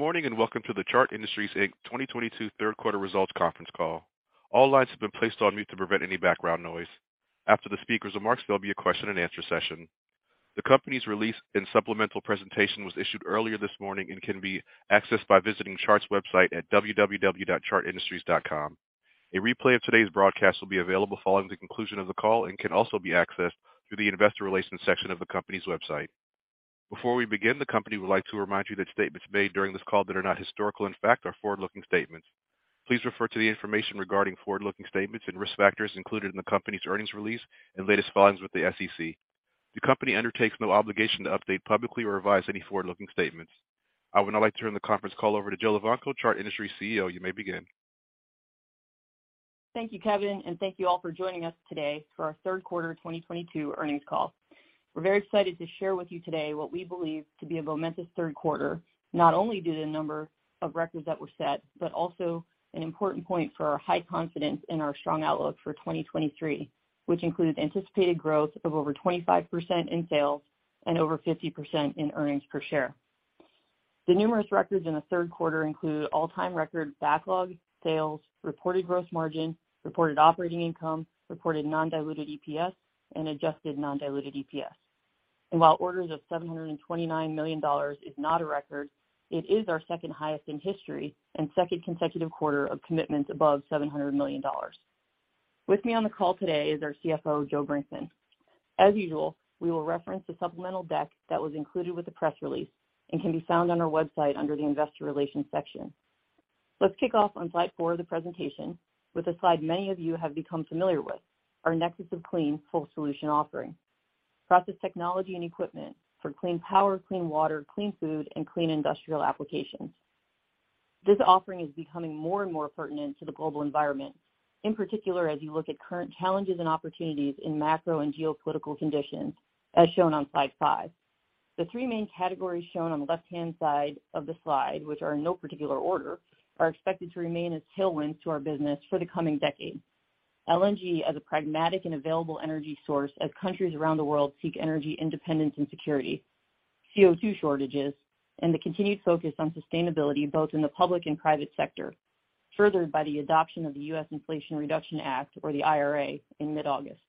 Good morning, and welcome to the Chart Industries, Inc. 2022 third quarter results conference call. All lines have been placed on mute to prevent any background noise. After the speaker's remarks, there'll be a question and answer session. The company's release and supplemental presentation was issued earlier this morning and can be accessed by visiting Chart's website at www.chartindustries.com. A replay of today's broadcast will be available following the conclusion of the call and can also be accessed through the investor relations section of the company's website. Before we begin, the company would like to remind you that statements made during this call that are not historical in fact are forward-looking statements. Please refer to the information regarding forward-looking statements and risk factors included in the company's earnings release and latest filings with the SEC. The company undertakes no obligation to update publicly or revise any forward-looking statements. I would now like to turn the conference call over to Jillian Evanko, Chart Industries CEO. You may begin. Thank you, Kevin, and thank you all for joining us today for our third quarter 2022 earnings call. We're very excited to share with you today what we believe to be a momentous third quarter, not only due to the number of records that were set, but also an important point for our high confidence in our strong outlook for 2023, which includes anticipated growth of over 25% in sales and over 50% in earnings per share. The numerous records in the third quarter include all-time record backlog sales, reported gross margin, reported operating income, reported non-diluted EPS, and adjusted non-diluted EPS. While orders of $729 million is not a record, it is our second highest in history and second consecutive quarter of commitments above $700 million. With me on the call today is our CFO, Joe Brinkman. As usual, we will reference the supplemental deck that was included with the press release and can be found on our website under the Investor Relations section. Let's kick off on slide 4 of the presentation with a slide many of you have become familiar with, our Nexus of Clean full solution offering. Process technology and equipment for clean power, clean water, clean food, and clean industrial applications. This offering is becoming more and more pertinent to the global environment, in particular, as you look at current challenges and opportunities in macro and geopolitical conditions, as shown on slide 5. The three main categories shown on the left-hand side of the slide, which are in no particular order, are expected to remain as tailwinds to our business for the coming decade. LNG as a pragmatic and available energy source as countries around the world seek energy independence and security, CO2 shortages, and the continued focus on sustainability, both in the public and private sector, furthered by the adoption of the U.S. Inflation Reduction Act or the IRA in mid-August.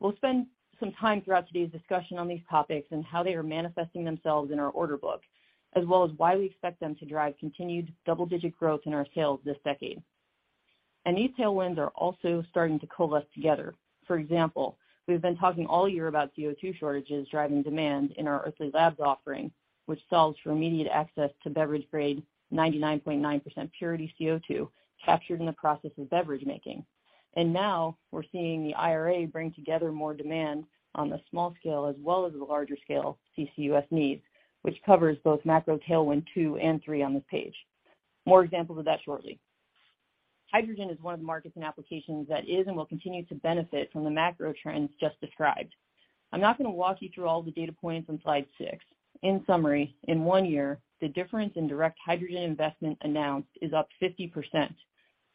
We'll spend some time throughout today's discussion on these topics and how they are manifesting themselves in our order book, as well as why we expect them to drive continued double-digit growth in our sales this decade. These tailwinds are also starting to coalesce together. For example, we've been talking all year about CO2 shortages driving demand in our Earthly Labs offering, which solves for immediate access to beverage-grade 99.9% purity CO2 captured in the process of beverage making. Now we're seeing the IRA bring together more demand on the small scale as well as the larger scale CCUS needs, which covers both macro tailwind two and three on this page. More examples of that shortly. Hydrogen is one of the markets and applications that is and will continue to benefit from the macro trends just described. I'm not going to walk you through all the data points on slide 6. In summary, in one year, the difference in direct hydrogen investment announced is up 50%,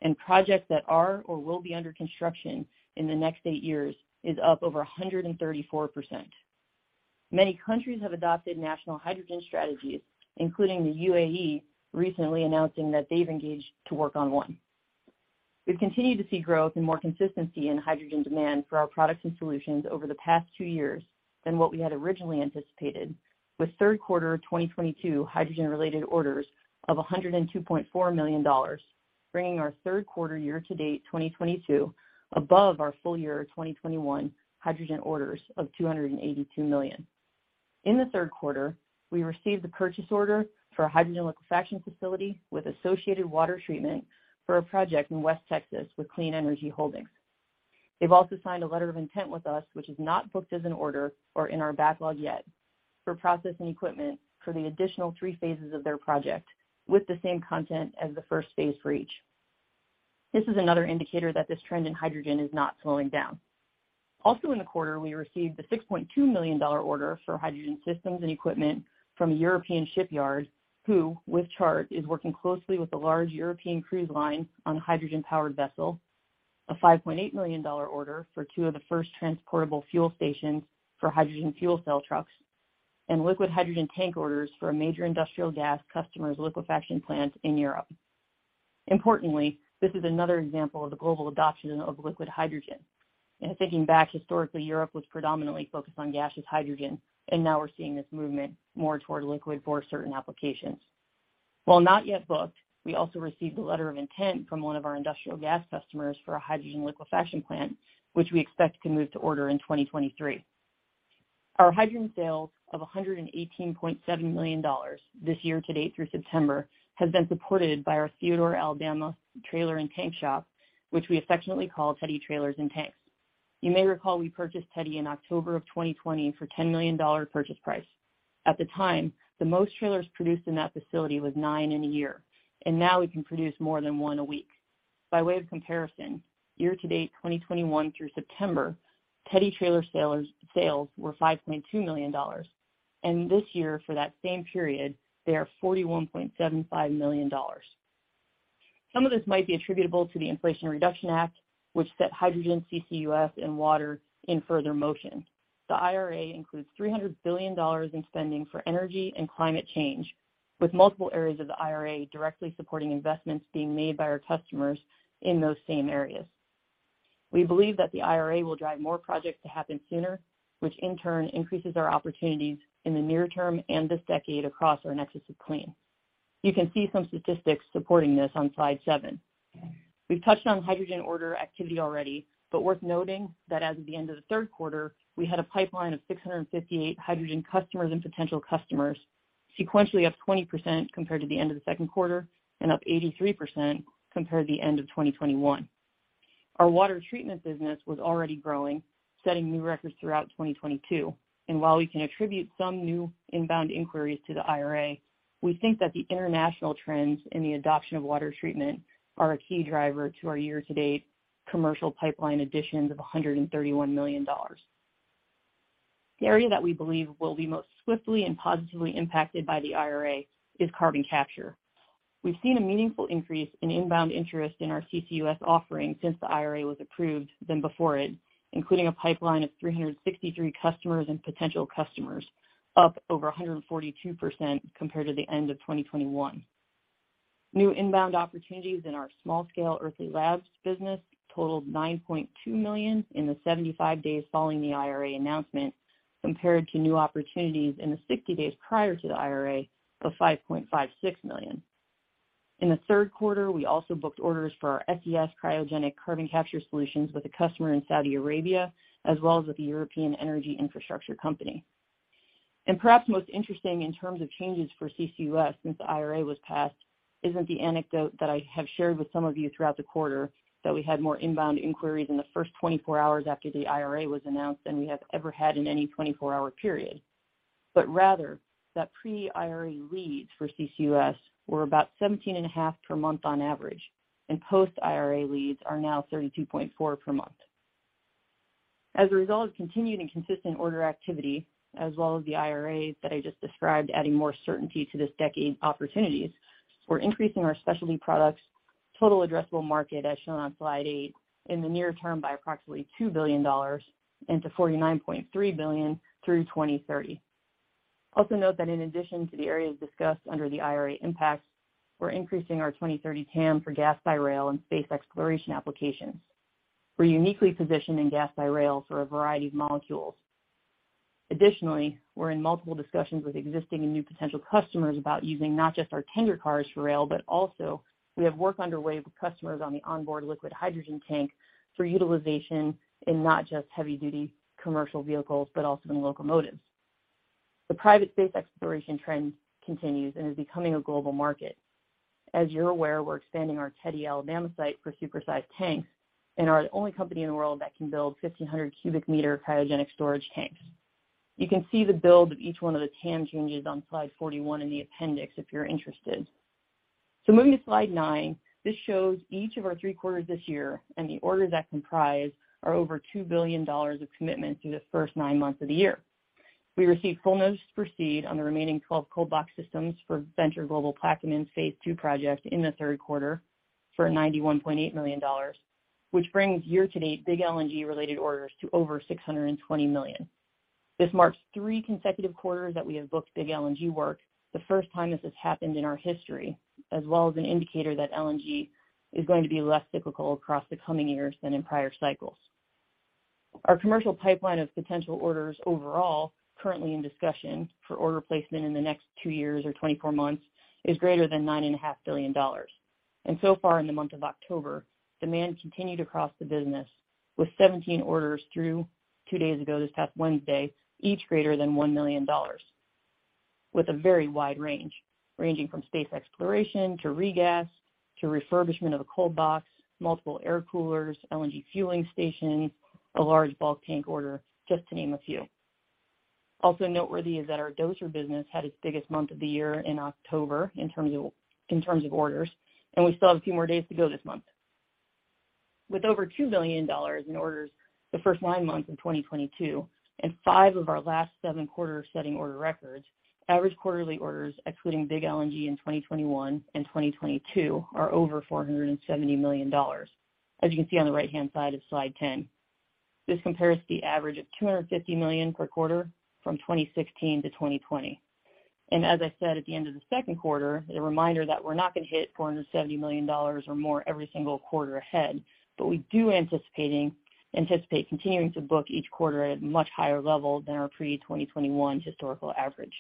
and projects that are or will be under construction in the next eight years is up over 134%. Many countries have adopted national hydrogen strategies, including the UAE recently announcing that they've engaged to work on one. We've continued to see growth and more consistency in hydrogen demand for our products and solutions over the past two years than what we had originally anticipated, with third quarter 2022 hydrogen-related orders of $102.4 million, bringing our third quarter year-to-date 2022 above our full year 2021 hydrogen orders of $282 million. In the third quarter, we received a purchase order for a hydrogen liquefaction facility with associated water treatment for a project in West Texas with Clean Energy Holdings. They've also signed a letter of intent with us, which is not booked as an order or in our backlog yet, for processing equipment for the additional three phases of their project with the same content as the first phase for each. This is another indicator that this trend in hydrogen is not slowing down. Also in the quarter, we received a $6.2 million order for hydrogen systems and equipment from a European shipyard who, with Chart, is working closely with a large European cruise line on a hydrogen-powered vessel, a $5.8 million order for two of the first transportable fuel stations for hydrogen fuel cell trucks, and liquid hydrogen tank orders for a major industrial gas customer's liquefaction plant in Europe. Importantly, this is another example of the global adoption of liquid hydrogen. You know, thinking back historically, Europe was predominantly focused on gaseous hydrogen, and now we're seeing this movement more toward liquid for certain applications. While not yet booked, we also received a letter of intent from one of our industrial gas customers for a hydrogen liquefaction plant, which we expect to move to order in 2023. Our hydrogen sales of $118.7 million this year to date through September has been supported by our Theodore, Alabama trailer and tank shop, which we affectionately call Teddy Trailers & Tanks. You may recall we purchased Teddy in October of 2020 for $10 million purchase price. At the time, the most trailers produced in that facility was nine in a year, and now we can produce more than one a week. By way of comparison, year-to-date 2021 through September, Teddy Trailer sales were $5.2 million, and this year, for that same period, they are $41.75 million. Some of this might be attributable to the Inflation Reduction Act, which set hydrogen, CCUS, and water in further motion. The IRA includes $300 billion in spending for energy and climate change, with multiple areas of the IRA directly supporting investments being made by our customers in those same areas. We believe that the IRA will drive more projects to happen sooner, which in turn increases our opportunities in the near term and this decade across our Nexus of Clean. You can see some statistics supporting this on slide 7. We've touched on hydrogen order activity already, but worth noting that as of the end of the third quarter, we had a pipeline of 658 hydrogen customers and potential customers, sequentially up 20% compared to the end of the second quarter and up 83% compared to the end of 2021. Our water treatment business was already growing, setting new records throughout 2022. While we can attribute some new inbound inquiries to the IRA, we think that the international trends in the adoption of water treatment are a key driver to our year-to-date commercial pipeline additions of $131 million. The area that we believe will be most swiftly and positively impacted by the IRA is carbon capture. We've seen a meaningful increase in inbound interest in our CCUS offering since the IRA was approved more than before it, including a pipeline of 363 customers and potential customers, up over 142% compared to the end of 2021. New inbound opportunities in our small-scale Earthly Labs business totaled $9.2 million in the 75 days following the IRA announcement, compared to new opportunities in the 60 days prior to the IRA of $5.56 million. In the third quarter, we also booked orders for our SES cryogenic carbon capture solutions with a customer in Saudi Arabia, as well as with a European energy infrastructure company. Perhaps most interesting in terms of changes for CCUS since the IRA was passed isn't the anecdote that I have shared with some of you throughout the quarter that we had more inbound inquiries in the first 24 hours after the IRA was announced than we have ever had in any 24-hour period, but rather that pre-IRA leads for CCUS were about 17.5 per month on average, and post-IRA leads are now 32.4 per month. As a result of continued and consistent order activity, as well as the IRA that I just described, adding more certainty to this decade opportunities, we're increasing our specialty products total addressable market, as shown on slide 8, in the near term by approximately $2 billion and to $49.3 billion through 2030. Also note that in addition to the areas discussed under the IRA impact, we're increasing our 2030 TAM for gas by rail and space exploration applications. We're uniquely positioned in gas by rail for a variety of molecules. Additionally, we're in multiple discussions with existing and new potential customers about using not just our tender cars for rail, but also we have work underway with customers on the onboard liquid hydrogen tank for utilization in not just heavy-duty commercial vehicles, but also in locomotives. The private space exploration trend continues and is becoming a global market. As you're aware, we're expanding our Theodore, Alabama site for super-sized tanks and are the only company in the world that can build 1,500 cubic meter cryogenic storage tanks. You can see the build of each one of the TAM changes on slide 41 in the appendix if you're interested. Moving to slide 9, this shows each of our three quarters this year and the orders that comprise our over $2 billion of commitment through the first nine months of the year. We received full notice to proceed on the remaining 12 cold box systems for Venture Global's Plaquemines phase two project in the third quarter for $91.8 million, which brings year-to-date big LNG related orders to over $620 million. This marks three consecutive quarters that we have booked big LNG work, the first time this has happened in our history, as well as an indicator that LNG is going to be less cyclical across the coming years than in prior cycles. Our commercial pipeline of potential orders overall currently in discussion for order placement in the next two years or 24 months is greater than $9.5 billion. So far in the month of October, demand continued across the business with 17 orders through two days ago this past Wednesday, each greater than $1 million, with a very wide range, ranging from space exploration to regas to refurbishment of a cold box, multiple air coolers, LNG fueling stations, a large bulk tank order, just to name a few. Also noteworthy is that our dosing business had its biggest month of the year in October in terms of orders, and we still have a few more days to go this month. With over $2 billion in orders the first nine months in 2022 and 5 of our last seven quarters setting order records, average quarterly orders, excluding big LNG in 2021 and 2022, are over $470 million, as you can see on the right-hand side of slide 10. This compares to the average of $250 million per quarter from 2016 to 2020. As I said at the end of the second quarter, a reminder that we're not going to hit $470 million or more every single quarter ahead. We anticipate continuing to book each quarter at a much higher level than our pre-2021 historical average.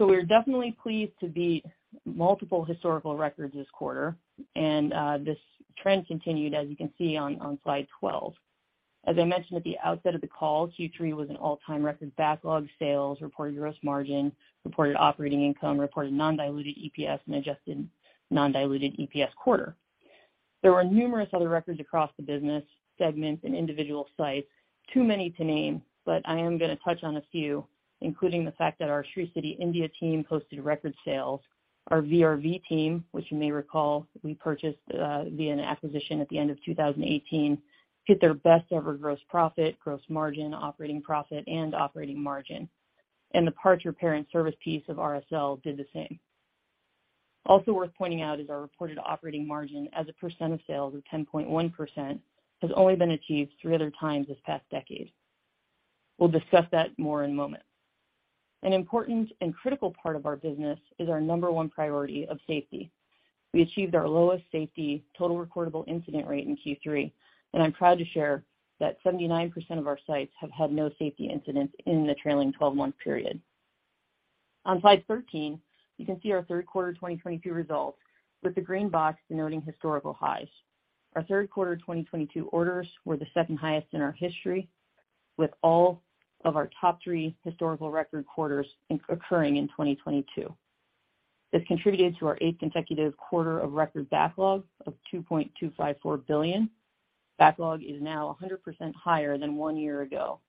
We're definitely pleased to beat multiple historical records this quarter. This trend continued, as you can see on slide 12. As I mentioned at the outset of the call, Q3 was an all-time record backlog, sales, reported gross margin, reported operating income, reported non-diluted EPS, and adjusted non-diluted EPS quarter. There were numerous other records across the business segments and individual sites, too many to name, but I am going to touch on a few, including the fact that our Sri City, India team posted record sales. Our VRV team, which you may recall we purchased via an acquisition at the end of 2018, hit their best ever gross profit, gross margin, operating profit, and operating margin. The parts repair and service piece of RSL did the same. Also worth pointing out is our reported operating margin as a percent of sales of 10.1% has only been achieved three other times this past decade. We'll discuss that more in a moment. An important and critical part of our business is our number one priority of safety. We achieved our lowest safety total recordable incident rate in Q3, and I'm proud to share that 79% of our sites have had no safety incidents in the trailing 12-month period. On slide 13, you can see our third quarter 2022 results, with the green box denoting historical highs. Our third quarter 2022 orders were the second highest in our history, with all of our top three historical record quarters occurring in 2022. This contributed to our eighth consecutive quarter of record backlog of $2.254 billion. Backlog is now 100% higher than one year ago.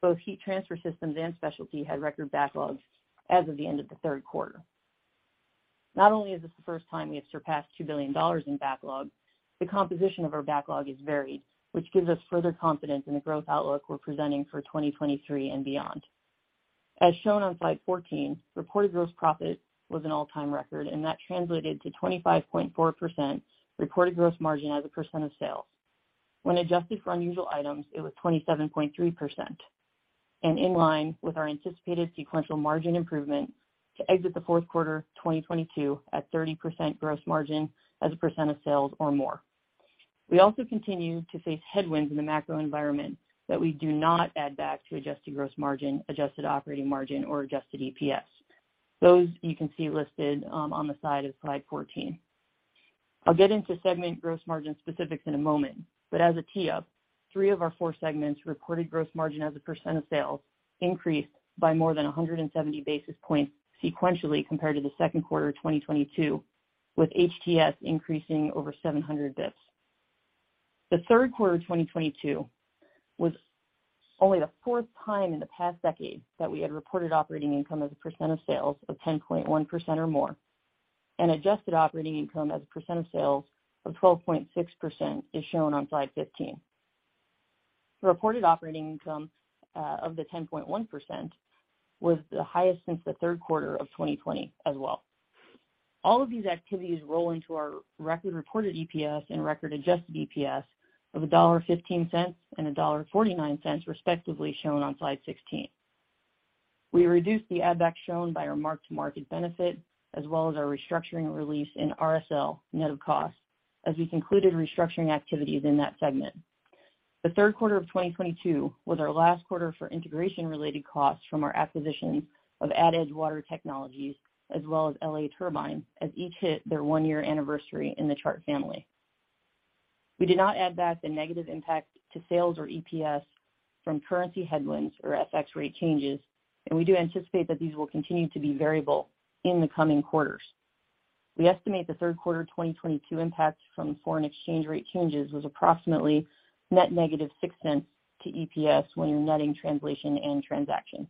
Both heat transfer systems and specialty had record backlogs as of the end of the third quarter. Not only is this the first time we have surpassed $2 billion in backlog, the composition of our backlog is varied, which gives us further confidence in the growth outlook we're presenting for 2023 and beyond. As shown on slide 14, reported gross profit was an all-time record, and that translated to 25.4% reported gross margin as a percent of sales. When adjusted for unusual items, it was 27.3% and in line with our anticipated sequential margin improvement to exit the fourth quarter 2022 at 30% gross margin as a percent of sales or more. We also continue to face headwinds in the macro environment that we do not add back to adjusted gross margin, adjusted operating margin or adjusted EPS. Those you can see listed on the side of slide 14. I'll get into segment gross margin specifics in a moment, but as a tee up, three of our four segments reported gross margin as a % of sales increased by more than 170 basis points sequentially compared to the second quarter of 2022, with HTS increasing over 700 basis points. The third quarter of 2022 was only the fourth time in the past decade that we had reported operating income as a percent of sales of 10.1% or more, and adjusted operating income as a percent of sales of 12.6% is shown on slide 15. Reported operating income of the 10.1% was the highest since the third quarter of 2020 as well. All of these activities roll into our record reported EPS and record adjusted EPS of $1.15 and $1.49, respectively, shown on slide 16. We reduced the add back shown by our mark-to-market benefit as well as our restructuring release in RSL net of cost as we concluded restructuring activities in that segment. The third quarter of 2022 was our last quarter for integration-related costs from our acquisition of AdEdge Water Technologies as well as L.A. Turbine, as each hit their one-year anniversary in the Chart family. We did not add back the negative impact to sales or EPS from currency headwinds or FX rate changes, and we do anticipate that these will continue to be variable in the coming quarters. We estimate the third quarter of 2022 impacts from foreign exchange rate changes was approximately net negative $0.06 to EPS when you're netting translation and transaction.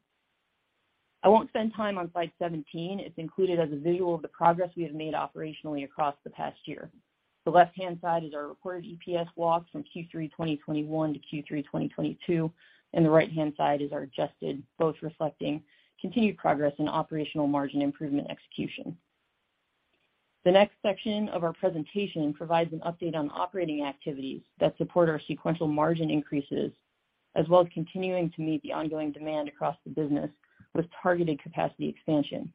I won't spend time on slide 17. It's included as a visual of the progress we have made operationally across the past year. The left-hand side is our reported EPS walk from Q3 2021 to Q3 2022, and the right-hand side is our adjusted, both reflecting continued progress in operational margin improvement execution. The next section of our presentation provides an update on operating activities that support our sequential margin increases as well as continuing to meet the ongoing demand across the business with targeted capacity expansion.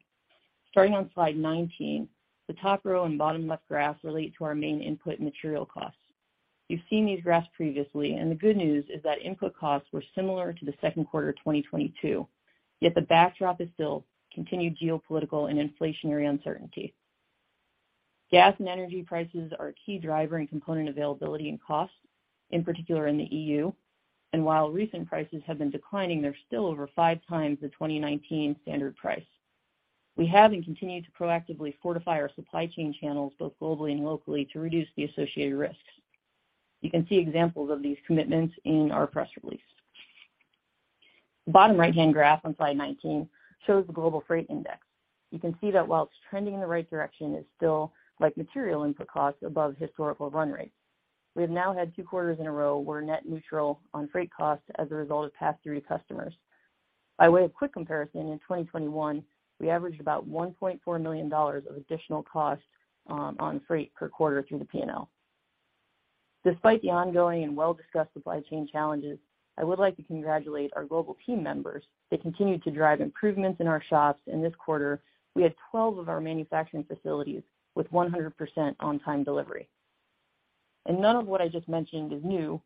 Starting on slide 19, the top row and bottom left graph relate to our main input material costs. You've seen these graphs previously, and the good news is that input costs were similar to the second quarter of 2022, yet the backdrop is still continued geopolitical and inflationary uncertainty. Gas and energy prices are a key driver in component availability and costs, in particular in the EU. While recent prices have been declining, they're still over 5x the 2019 standard price. We have and continue to proactively fortify our supply chain channels, both globally and locally, to reduce the associated risks. You can see examples of these commitments in our press release. The bottom right-hand graph on slide 19 shows the global freight index. You can see that while it's trending in the right direction, it's still, like material input costs, above historical run rates. We have now had two quarters in a row where net neutral on freight costs as a result of pass through to customers. By way of quick comparison, in 2021 we averaged about $1.4 million of additional costs on freight per quarter through the P&L. Despite the ongoing and well-discussed supply chain challenges, I would like to congratulate our global team members that continued to drive improvements in our shops. In this quarter, we had 12 of our manufacturing facilities with 100% on-time delivery. None of what I just mentioned is new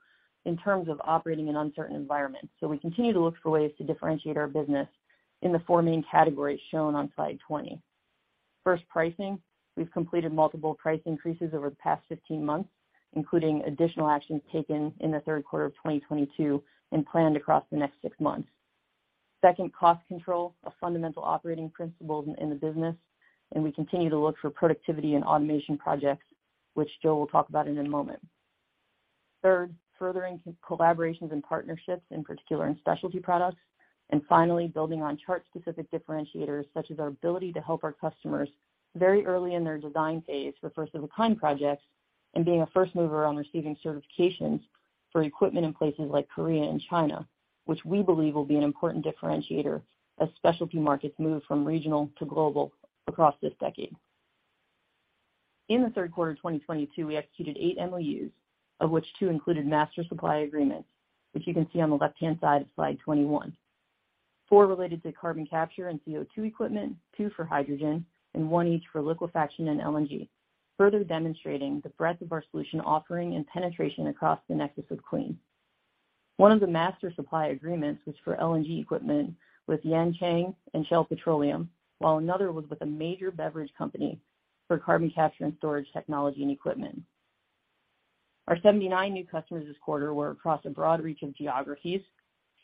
in terms of operating in uncertain environments, so we continue to look for ways to differentiate our business in the four main categories shown on slide 20. First, pricing. We've completed multiple price increases over the past 15 months, including additional actions taken in the third quarter of 2022 and planned across the next six months. Second, cost control, a fundamental operating principle in the business, and we continue to look for productivity and automation projects which Joe will talk about in a moment. Third, furthering collaborations and partnerships, in particular in specialty products. Finally, building on Chart-specific differentiators such as our ability to help our customers very early in their design phase for first-of-a-kind projects. Being a first mover on receiving certifications for equipment in places like Korea and China, which we believe will be an important differentiator as specialty markets move from regional to global across this decade. In the third quarter of 2022, we executed eight MOUs, of which two included master supply agreements, which you can see on the left-hand side of slide 21. Four related to carbon capture and CO2 equipment, two for hydrogen, and one each for liquefaction and LNG, further demonstrating the breadth of our solution offering and penetration across the Nexus of Clean One of the master supply agreements was for LNG equipment with Yanchang and Shell Petroleum, while another was with a major beverage company for carbon capture and storage technology and equipment. Our 79 new customers this quarter were across a broad reach of geographies,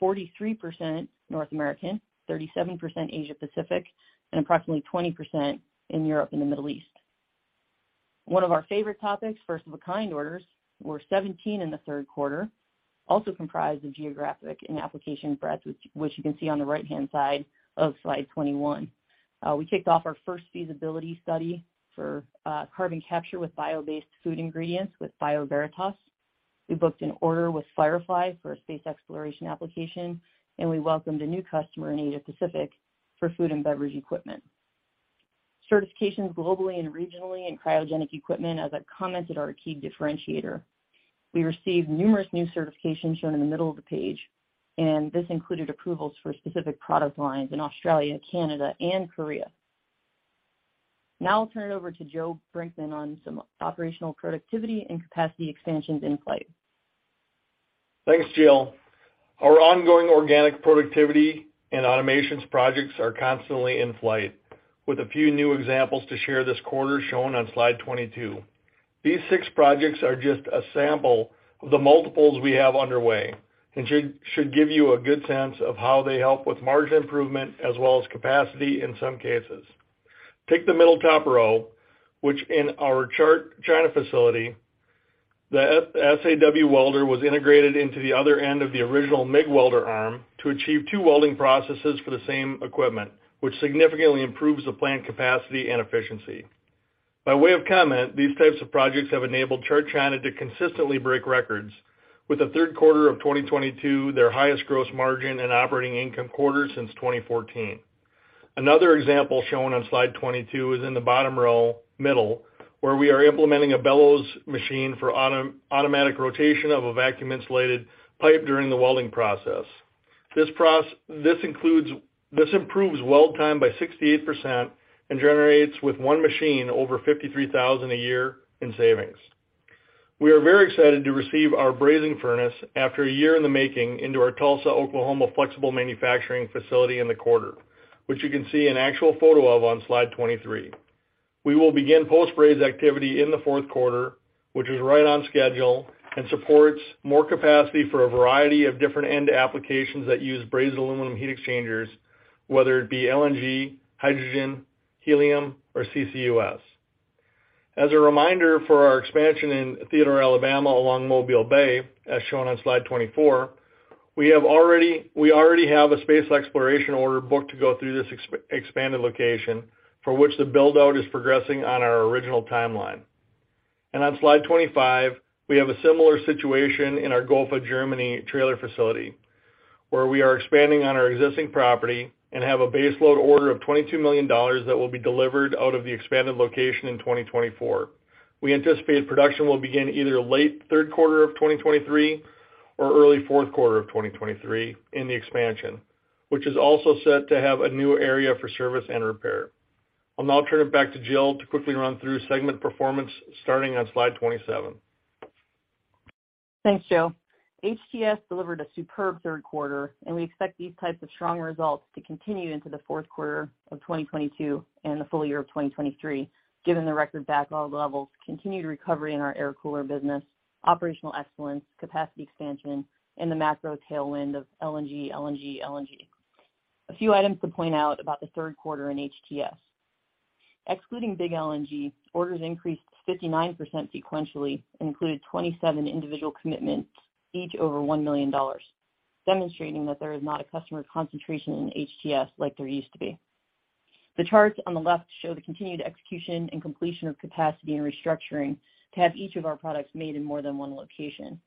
43% North American, 37% Asia Pacific, and approximately 20% in Europe and the Middle East. One of our favorite topics, first-of-a-kind orders, were 17 in the third quarter, also comprised of geographic and application breadth, which you can see on the right-hand side of slide 21. We kicked off our first feasibility study for carbon capture with bio-based food ingredients with BioVeritas. We booked an order with Firefly Aerospace for a space exploration application, and we welcomed a new customer in Asia Pacific for food and beverage equipment. Certifications globally and regionally in cryogenic equipment, as I commented, are a key differentiator. We received numerous new certifications shown in the middle of the page, and this included approvals for specific product lines in Australia, Canada, and Korea. Now I'll turn it over to Joe Brinkman on some operational productivity and capacity expansions in flight. Thanks, Jill. Our ongoing organic productivity and automations projects are constantly in flight, with a few new examples to share this quarter shown on slide 22. These six projects are just a sample of the multiples we have underway and should give you a good sense of how they help with margin improvement as well as capacity in some cases. Take the middle top row, which in our Chart China facility the F-SAW welder was integrated into the other end of the original MIG welder arm to achieve two welding processes for the same equipment, which significantly improves the plant capacity and efficiency. By way of comment, these types of projects have enabled Chart China to consistently break records, with the third quarter of 2022 their highest gross margin and operating income quarter since 2014. Another example shown on slide 22 is in the bottom row middle, where we are implementing a bellows machine for automatic rotation of a vacuum insulated pipe during the welding process. This improves weld time by 68% and generates with one machine over $53,000 a year in savings. We are very excited to receive our brazing furnace after a year in the making into our Tulsa, Oklahoma, flexible manufacturing facility in the quarter, which you can see an actual photo of on slide 23. We will begin post-braze activity in the fourth quarter, which is right on schedule and supports more capacity for a variety of different end applications that use brazed aluminum heat exchangers, whether it be LNG, hydrogen, helium, or CCUS. As a reminder for our expansion in Theodore, Alabama, along Mobile Bay, as shown on slide 24, we already have a space exploration order booked to go through this expanded location for which the build-out is progressing on our original timeline. On slide 25, we have a similar situation in our GOFA, Germany, trailer facility, where we are expanding on our existing property and have a baseload order of $22 million that will be delivered out of the expanded location in 2024. We anticipate production will begin either late third quarter of 2023 or early fourth quarter of 2023 in the expansion, which is also set to have a new area for service and repair. I'll now turn it back to Jill to quickly run through segment performance starting on slide 27. Thanks, Joe. HTS delivered a superb third quarter, and we expect these types of strong results to continue into the fourth quarter of 2022 and the full year of 2023, given the record backlog levels, continued recovery in our air cooler business, operational excellence, capacity expansion, and the macro tailwind of LNG, LNG. A few items to point out about the third quarter in HTS. Excluding big LNG, orders increased 59% sequentially and included 27 individual commitments, each over $1 million, demonstrating that there is not a customer concentration in HTS like there used to be. The charts on the left show the continued execution and completion of capacity and restructuring to have each of our products made in more than one location.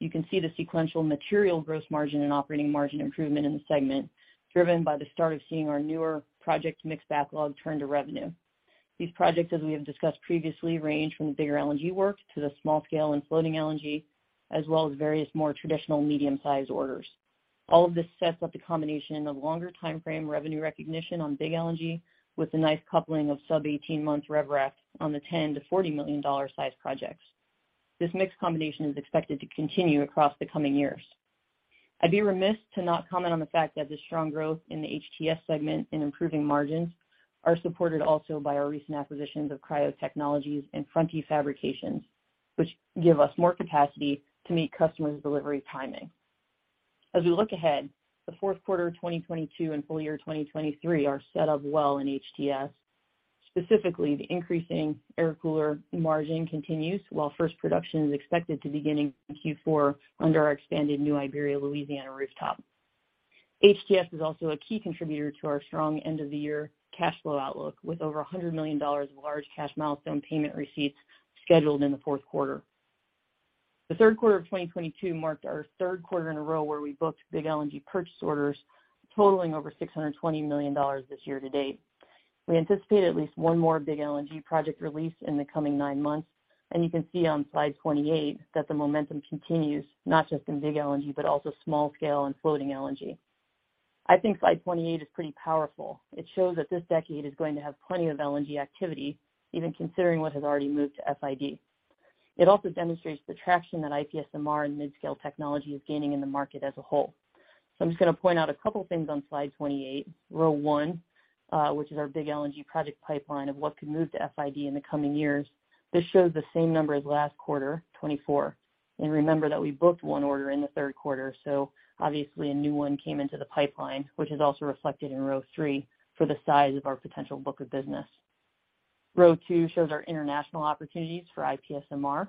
You can see the sequential material gross margin and operating margin improvement in the segment, driven by the start of seeing our newer project mix backlog turn to revenue. These projects, as we have discussed previously, range from the bigger LNG work to the small scale and floating LNG, as well as various more traditional medium-sized orders. All of this sets up the combination of longer timeframe revenue recognition on big LNG with a nice coupling of sub-18-month rev rec on the $10-$40 million size projects. This mix combination is expected to continue across the coming years. I'd be remiss to not comment on the fact that the strong growth in the HTS segment and improving margins are supported also by our recent acquisitions of Cryo Technologies and Fronti Fabrications, which give us more capacity to meet customers' delivery timing. As we look ahead, the fourth quarter of 2022 and full year 2023 are set up well in HTS. Specifically, the increasing air cooler margin continues, while first production is expected to begin in Q4 under our expanded New Iberia, Louisiana, rooftop. HTS is also a key contributor to our strong end of the year cash flow outlook, with over $100 million of large cash milestone payment receipts scheduled in the fourth quarter. The third quarter of 2022 marked our third quarter in a row where we booked big LNG purchase orders totaling over $620 million this year to date. We anticipate at least one more big LNG project release in the coming nine months, and you can see on slide 28 that the momentum continues, not just in big LNG, but also small scale and floating LNG. I think slide 28 is pretty powerful. It shows that this decade is going to have plenty of LNG activity, even considering what has already moved to FID. It also demonstrates the traction that IPSMR and mid-scale technology is gaining in the market as a whole. I'm just gonna point out a couple things on slide 28. Row one, which is our big LNG project pipeline of what could move to FID in the coming years. This shows the same number as last quarter, 24. Remember that we booked one order in the third quarter, so obviously a new one came into the pipeline, which is also reflected in row three for the size of our potential book of business. Row two shows our international opportunities for IPSMR,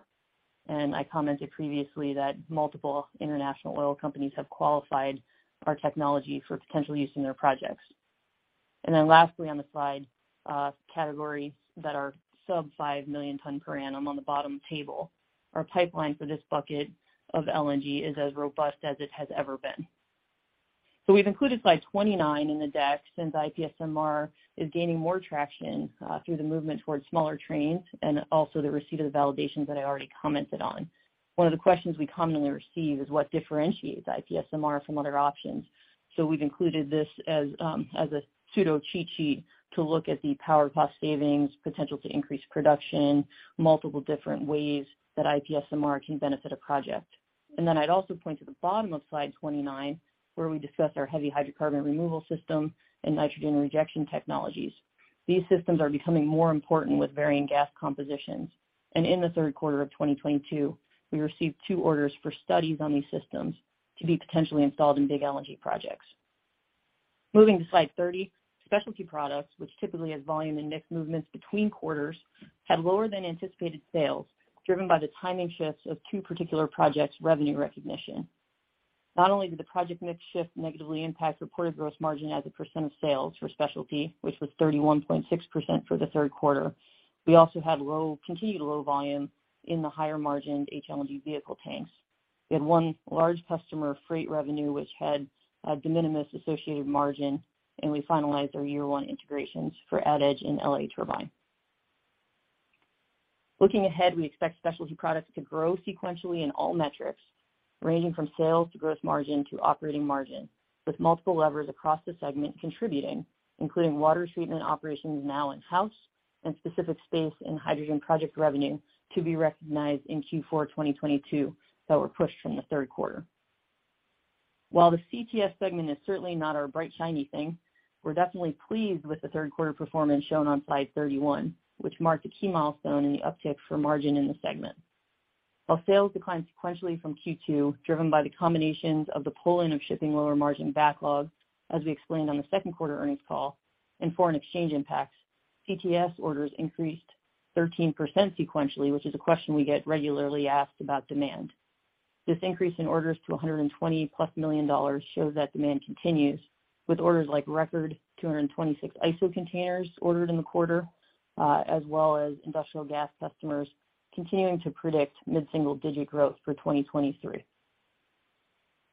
and I commented previously that multiple international oil companies have qualified our technology for potential use in their projects. Lastly on the slide, categories that are sub-5 million tons per annum on the bottom table. Our pipeline for this bucket of LNG is as robust as it has ever been. We've included slide 29 in the deck, since IPSMR is gaining more traction through the movement towards smaller trains and also the receipt of the validations that I already commented on. One of the questions we commonly receive is what differentiates IPSMR from other options. We've included this as a pseudo cheat sheet to look at the power cost savings, potential to increase production, multiple different ways that IPSMR can benefit a project. I'd also point to the bottom of slide 29, where we discuss our heavy hydrocarbon removal system and nitrogen rejection technologies. These systems are becoming more important with varying gas compositions. In the third quarter of 2022, we received two orders for studies on these systems to be potentially installed in big LNG projects. Moving to slide 30, specialty products, which typically has volume and mix movements between quarters, had lower than anticipated sales, driven by the timing shifts of two particular projects' revenue recognition. Not only did the project mix shift negatively impact reported gross margin as a percent of sales for specialty, which was 31.6% for the third quarter, we also had continued low volume in the higher margined HLNG vehicle tanks. We had one large customer freight revenue, which had a de minimis associated margin, and we finalized our year-one integrations for AdEdge and L.A. Turbine. Looking ahead, we expect specialty products to grow sequentially in all metrics, ranging from sales to growth margin to operating margin, with multiple levers across the segment contributing, including water treatment operations now in-house and specific space and hydrogen project revenue to be recognized in Q4 2022 that were pushed from the third quarter. While the CTS segment is certainly not our bright, shiny thing, we're definitely pleased with the third quarter performance shown on slide 31, which marked a key milestone in the uptick for margin in the segment. While sales declined sequentially from Q2, driven by the combinations of the pull-in of shipping lower margin backlog, as we explained on the second quarter earnings call, and foreign exchange impacts, CTS orders increased 13% sequentially, which is a question we get regularly asked about demand. This increase in orders to $120+ million shows that demand continues, with orders like record 226 ISO containers ordered in the quarter, as well as industrial gas customers continuing to predict mid-single-digit growth for 2023.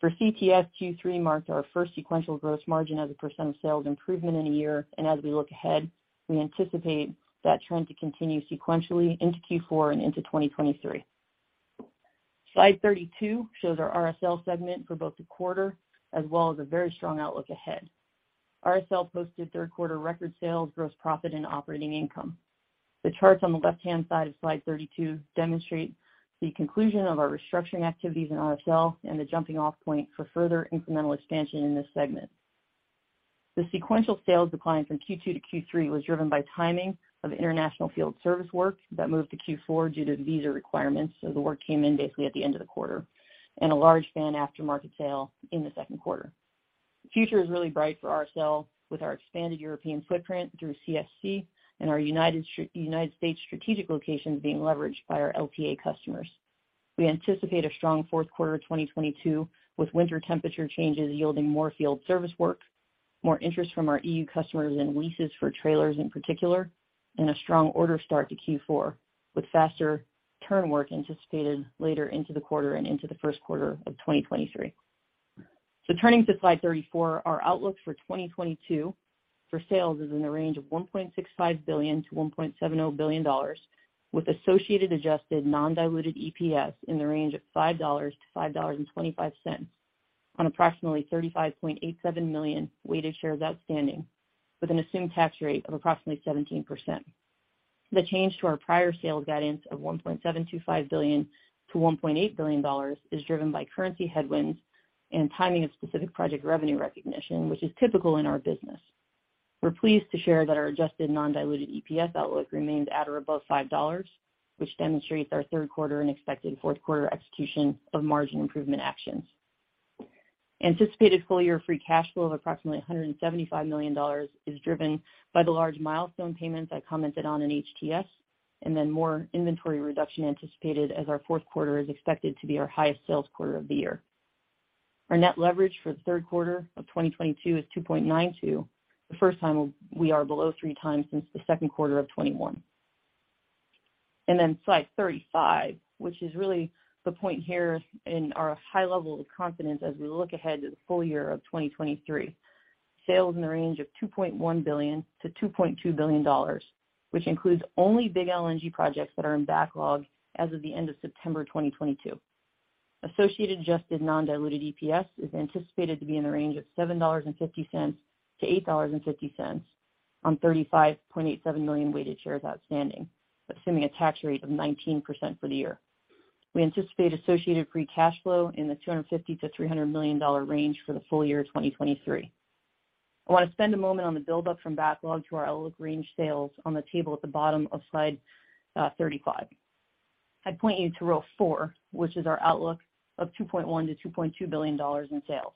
For CTS, Q3 marked our first sequential gross margin as a percent of sales improvement in a year. As we look ahead, we anticipate that trend to continue sequentially into Q4 and into 2023. Slide 32 shows our RSL segment for both the quarter as well as a very strong outlook ahead. RSL posted third quarter record sales, gross profit, and operating income. The charts on the left-hand side of slide 32 demonstrate the conclusion of our restructuring activities in RSL and the jumping-off point for further incremental expansion in this segment. The sequential sales decline from Q2 to Q3 was driven by timing of international field service work that moved to Q4 due to visa requirements, so the work came in basically at the end of the quarter, and a large fan aftermarket sale in the second quarter. The future is really bright for RSL with our expanded European footprint through CSC and our United States strategic locations being leveraged by our LPA customers. We anticipate a strong fourth quarter of 2022, with winter temperature changes yielding more field service work, more interest from our EU customers in leases for trailers in particular, and a strong order start to Q4, with faster turn work anticipated later into the quarter and into the first quarter of 2023. Turning to slide 34, our outlook for 2022 for sales is in the range of $1.65 billion-$1.70 billion, with associated adjusted non-diluted EPS in the range of $5-$5.25 on approximately 35.87 million weighted shares outstanding with an assumed tax rate of approximately 17%. The change to our prior sales guidance of $1.725 billion-$1.8 billion is driven by currency headwinds and timing of specific project revenue recognition, which is typical in our business. We're pleased to share that our adjusted non-diluted EPS outlook remains at or above $5, which demonstrates our third quarter and expected fourth quarter execution of margin improvement actions. Anticipated full-year free cash flow of approximately $175 million is driven by the large milestone payments I commented on in HTS. Then more inventory reduction anticipated as our fourth quarter is expected to be our highest sales quarter of the year. Our net leverage for the third quarter of 2022 is 2.92, the first time we are below 3x since the second quarter of 2021. Slide 35, which is really the point here in our high level of confidence as we look ahead to the full year of 2023. Sales in the range of $2.1 billion-$2.2 billion, which includes only big LNG projects that are in backlog as of the end of September 2022. Associated adjusted non-diluted EPS is anticipated to be in the range of $7.50-$8.50 on 35.87 million weighted shares outstanding, assuming a tax rate of 19% for the year. We anticipate associated free cash flow in the $250 million-$300 million range for the full year 2023. I want to spend a moment on the build up from backlog to our outlook range sales on the table at the bottom of slide 35. I point you to row four, which is our outlook of $2.1 billion-$2.2 billion in sales.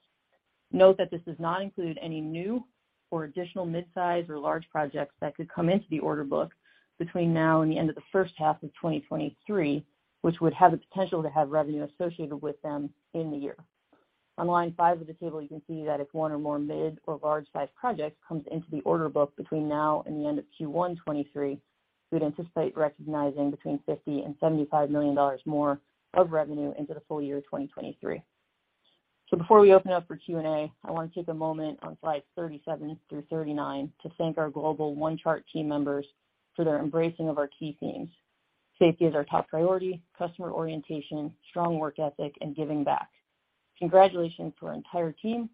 Note that this does not include any new or additional mid-size or large projects that could come into the order book between now and the end of the first half of 2023, which would have the potential to have revenue associated with them in the year. On line five of the table, you can see that if one or more mid or large-size projects comes into the order book between now and the end of Q1 2023, we'd anticipate recognizing between $50 million-$75 million more of revenue into the full year of 2023. Before we open up for Q&A, I want to take a moment on slides 37 through 39 to thank our global OneChart team members for their embracing of our key themes. Safety is our top priority, customer orientation, strong work ethic, and giving back. Congratulations to our entire team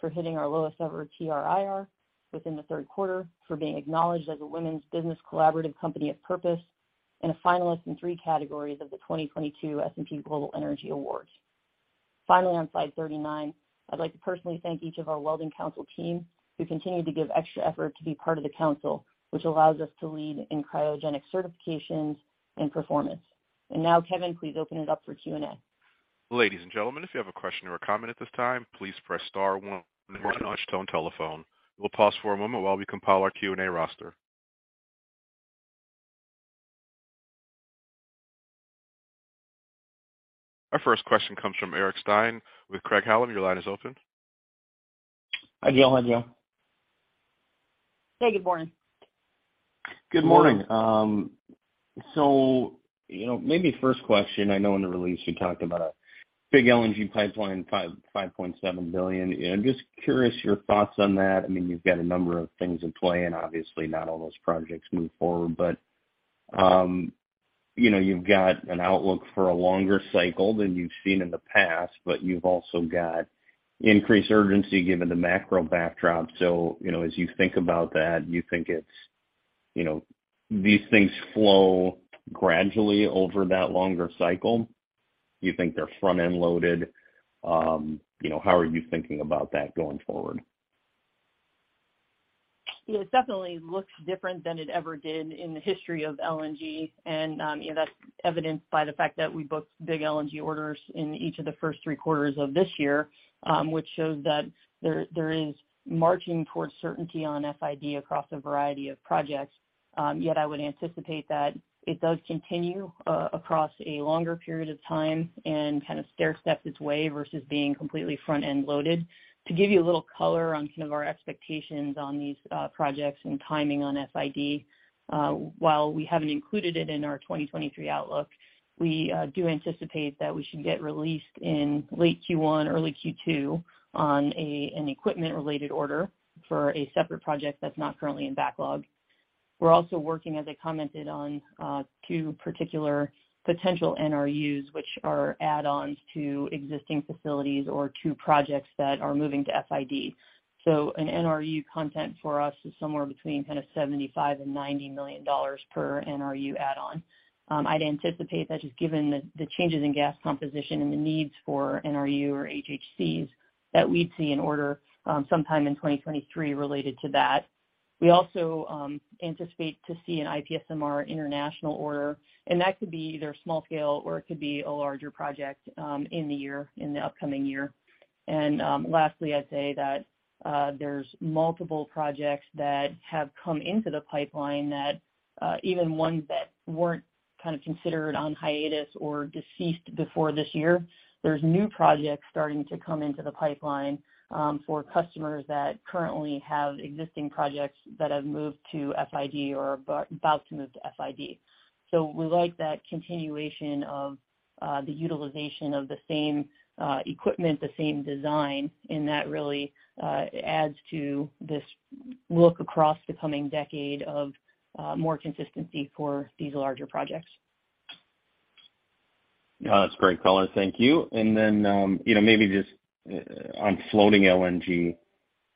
for hitting our lowest ever TRIR within the third quarter, for being acknowledged as a Women Business Collaborative Company of Purpose, and a finalist in three categories of the 2022 Platts Global Energy Awards. Finally, on slide 39, I'd like to personally thank each of our Welding Council team who continue to give extra effort to be part of the council, which allows us to lead in cryogenic certifications and performance. Now, Kevin, please open it up for Q&A. Ladies and gentlemen, if you have a question or a comment at this time, please press star one on your touchtone telephone. We'll pause for a moment while we compile our Q&A roster. Our first question comes from Eric Stine with Craig-Hallum. Your line is open. Hi, Jill and Joe. Hey, good morning. Good morning. You know, maybe first question, I know in the release you talked about a big LNG pipeline, $5.7 billion. I'm just curious your thoughts on that. I mean, you've got a number of things in play, and obviously not all those projects move forward. You know, you've got an outlook for a longer cycle than you've seen in the past, but you've also got increased urgency given the macro backdrop. You know, as you think about that, you think it's, you know, these things flow gradually over that longer cycle? You think they're front-end loaded? You know, how are you thinking about that going forward? It definitely looks different than it ever did in the history of LNG. That's evidenced by the fact that we booked big LNG orders in each of the first three quarters of this year, which shows that there is marching towards certainty on FID across a variety of projects. Yet I would anticipate that it does continue across a longer period of time and kind of stair steps its way versus being completely front-end loaded. To give you a little color on some of our expectations on these projects and timing on FID, while we haven't included it in our 2023 outlook, we do anticipate that we should get released in late Q1, early Q2 on an equipment-related order for a separate project that's not currently in backlog. We're also working, as I commented on, two particular potential NRUs, which are add-ons to existing facilities or two projects that are moving to FID. An NRU content for us is somewhere between kind of $75 million and $90 million per NRU add-on. I'd anticipate that just given the changes in gas composition and the needs for NRU or HHCs that we'd see an order, sometime in 2023 related to that. We also anticipate to see an IPSMR international order, and that could be either small scale or it could be a larger project, in the year, in the upcoming year. Lastly, I'd say that there's multiple projects that have come into the pipeline that even ones that weren't kind of considered on hiatus or deceased before this year. There's new projects starting to come into the pipeline for customers that currently have existing projects that have moved to FID or about to move to FID. We like that continuation of the utilization of the same equipment, the same design, and that really adds to this look across the coming decade of more consistency for these larger projects. No, that's great color. Thank you. Then, you know, maybe just on floating LNG,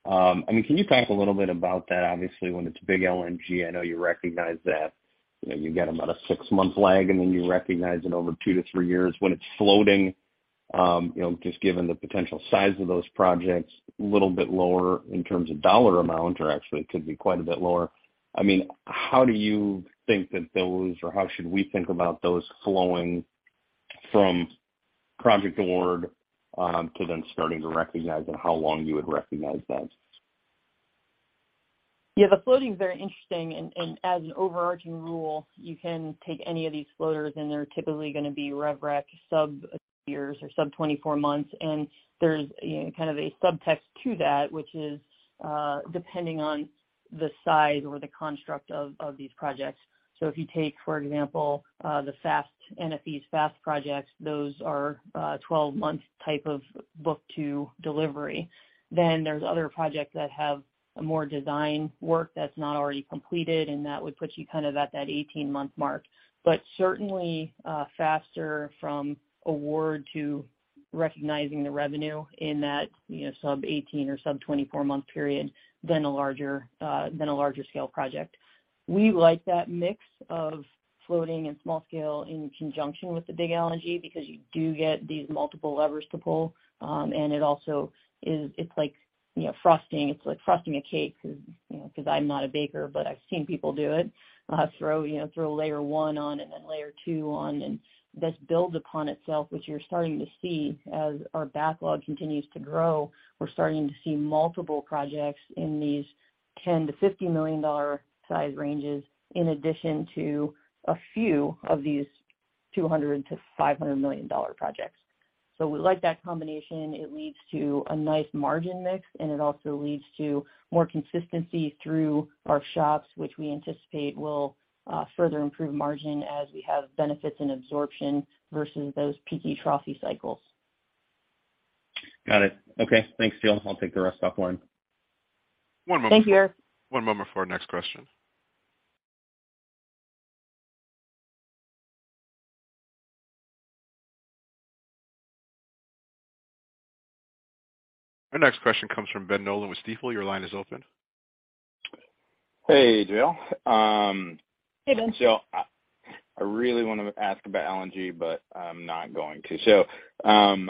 I mean, can you talk a little bit about that? Obviously, when it's big LNG, I know you recognize that, you know, you get about a six-month lag, and then you recognize it over two to three years. When it's floating, you know, just given the potential size of those projects, a little bit lower in terms of dollar amount, or actually it could be quite a bit lower. I mean, how do you think that those or how should we think about those flowing from project award, to then starting to recognize and how long you would recognize that? Yeah, the floating is very interesting. As an overarching rule, you can take any of these floaters, and they're typically gonna be rev rec sub years or sub 24 months. There's, you know, kind of a subtext to that, which is, depending on the size or the construct of these projects. If you take, for example, NFE's fast projects, those are 12-month type of book to delivery. There's other projects that have more design work that's not already completed, and that would put you kind of at that 18-month mark. Certainly faster from award to recognizing the revenue in that, you know, sub 18 or sub 24-month period than a larger scale project. We like that mix of floating and small scale in conjunction with the big LNG because you do get these multiple levers to pull. It's like, you know, frosting. It's like frosting a cake, you know, 'cause I'm not a baker, but I've seen people do it. Throw, you know, layer one on and then layer two on, and this builds upon itself, which you're starting to see. As our backlog continues to grow, we're starting to see multiple projects in these $10 million-$50 million size ranges in addition to a few of these $200 million-$500 million projects. We like that combination. It leads to a nice margin mix, and it also leads to more consistency through our shops, which we anticipate will further improve margin as we have benefits and absorption versus those peaky trough cycles. Got it. Okay. Thanks, Jill. I'll take the rest offline. Thank you. One moment. One moment for our next question. Our next question comes from Ben Nolan with Stifel. Your line is open. Hey, Jill. Hey, Ben. I really wanna ask about LNG, but I'm not going to.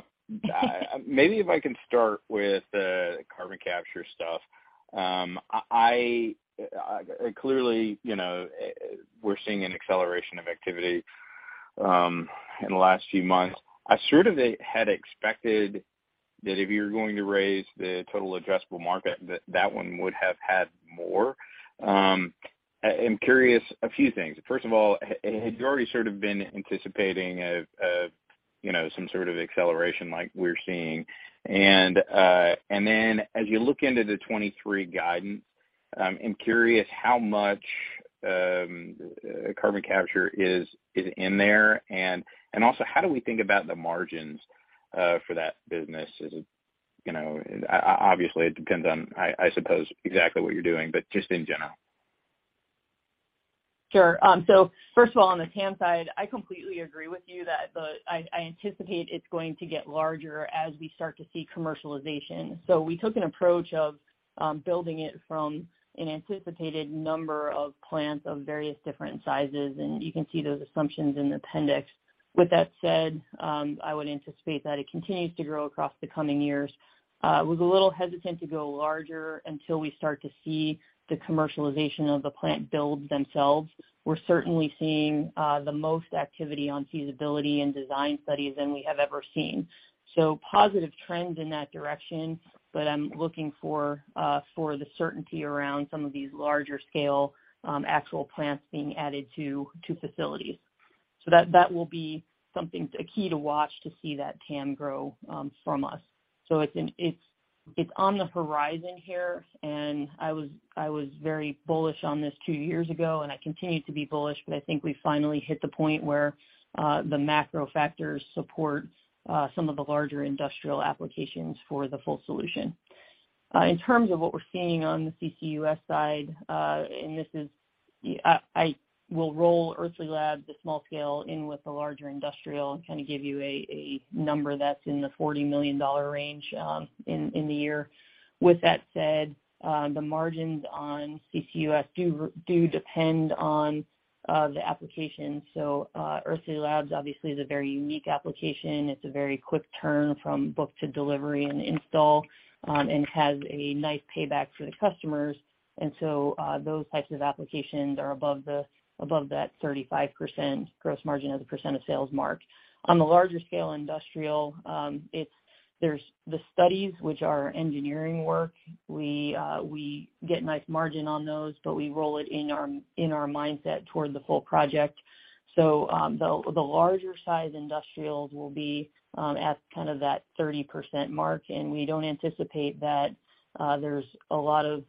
Maybe if I can start with the carbon capture stuff. Clearly, you know, we're seeing an acceleration of activity in the last few months. I sort of had expected that if you're going to raise the total addressable market, that one would have had more. I'm curious about a few things. First of all, had you already sort of been anticipating, you know, some sort of acceleration like we're seeing? Then as you look into the 2023 guidance, I'm curious how much carbon capture is in there. Also how do we think about the margins for that business? Is it, you know, obviously it depends on, I suppose exactly what you're doing, but just in general. Sure. First of all, on the TAM side, I completely agree with you that I anticipate it's going to get larger as we start to see commercialization. We took an approach of building it from an anticipated number of plants of various different sizes, and you can see those assumptions in the appendix. With that said, I would anticipate that it continues to grow across the coming years. I was a little hesitant to go larger until we start to see the commercialization of the plant builds themselves. We're certainly seeing the most activity on feasibility and design studies than we have ever seen. Positive trends in that direction, but I'm looking for the certainty around some of these larger scale actual plants being added to facilities. That will be something, a key to watch to see that TAM grow from us. It's on the horizon here. I was very bullish on this two years ago, and I continue to be bullish. I think we finally hit the point where the macro factors support some of the larger industrial applications for the full solution. In terms of what we're seeing on the CCUS side, and this is, I will roll Earthly Labs, the small scale in with the larger industrial and kind of give you a number that's in the $40 million range in the year. With that said, the margins on CCUS do depend on the application. Earthly Labs obviously is a very unique application. It's a very quick turn from book to delivery and install, and has a nice payback for the customers. Those types of applications are above that 35% gross margin as a percent of sales mark. On the larger scale industrial, there's the studies which are engineering work. We get nice margin on those, but we roll it in our mindset toward the full project. The larger size industrials will be at kind of that 30% mark, and we don't anticipate that there's a lot of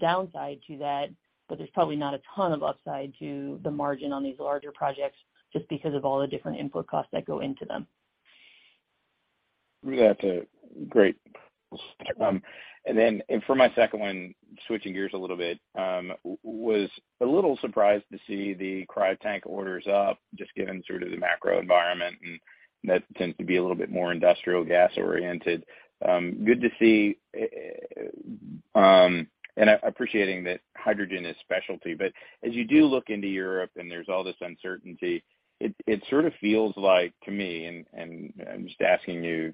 downside to that. There's probably not a ton of upside to the margin on these larger projects just because of all the different input costs that go into them. That's a great perspective. Then for my second one, switching gears a little bit, was a little surprised to see the cryotank orders up just given sort of the macro environment, and that tends to be a little bit more industrial gas oriented. Good to see. Appreciating that hydrogen is specialty, but as you do look into Europe and there's all this uncertainty, it sort of feels like to me, and I'm just asking you,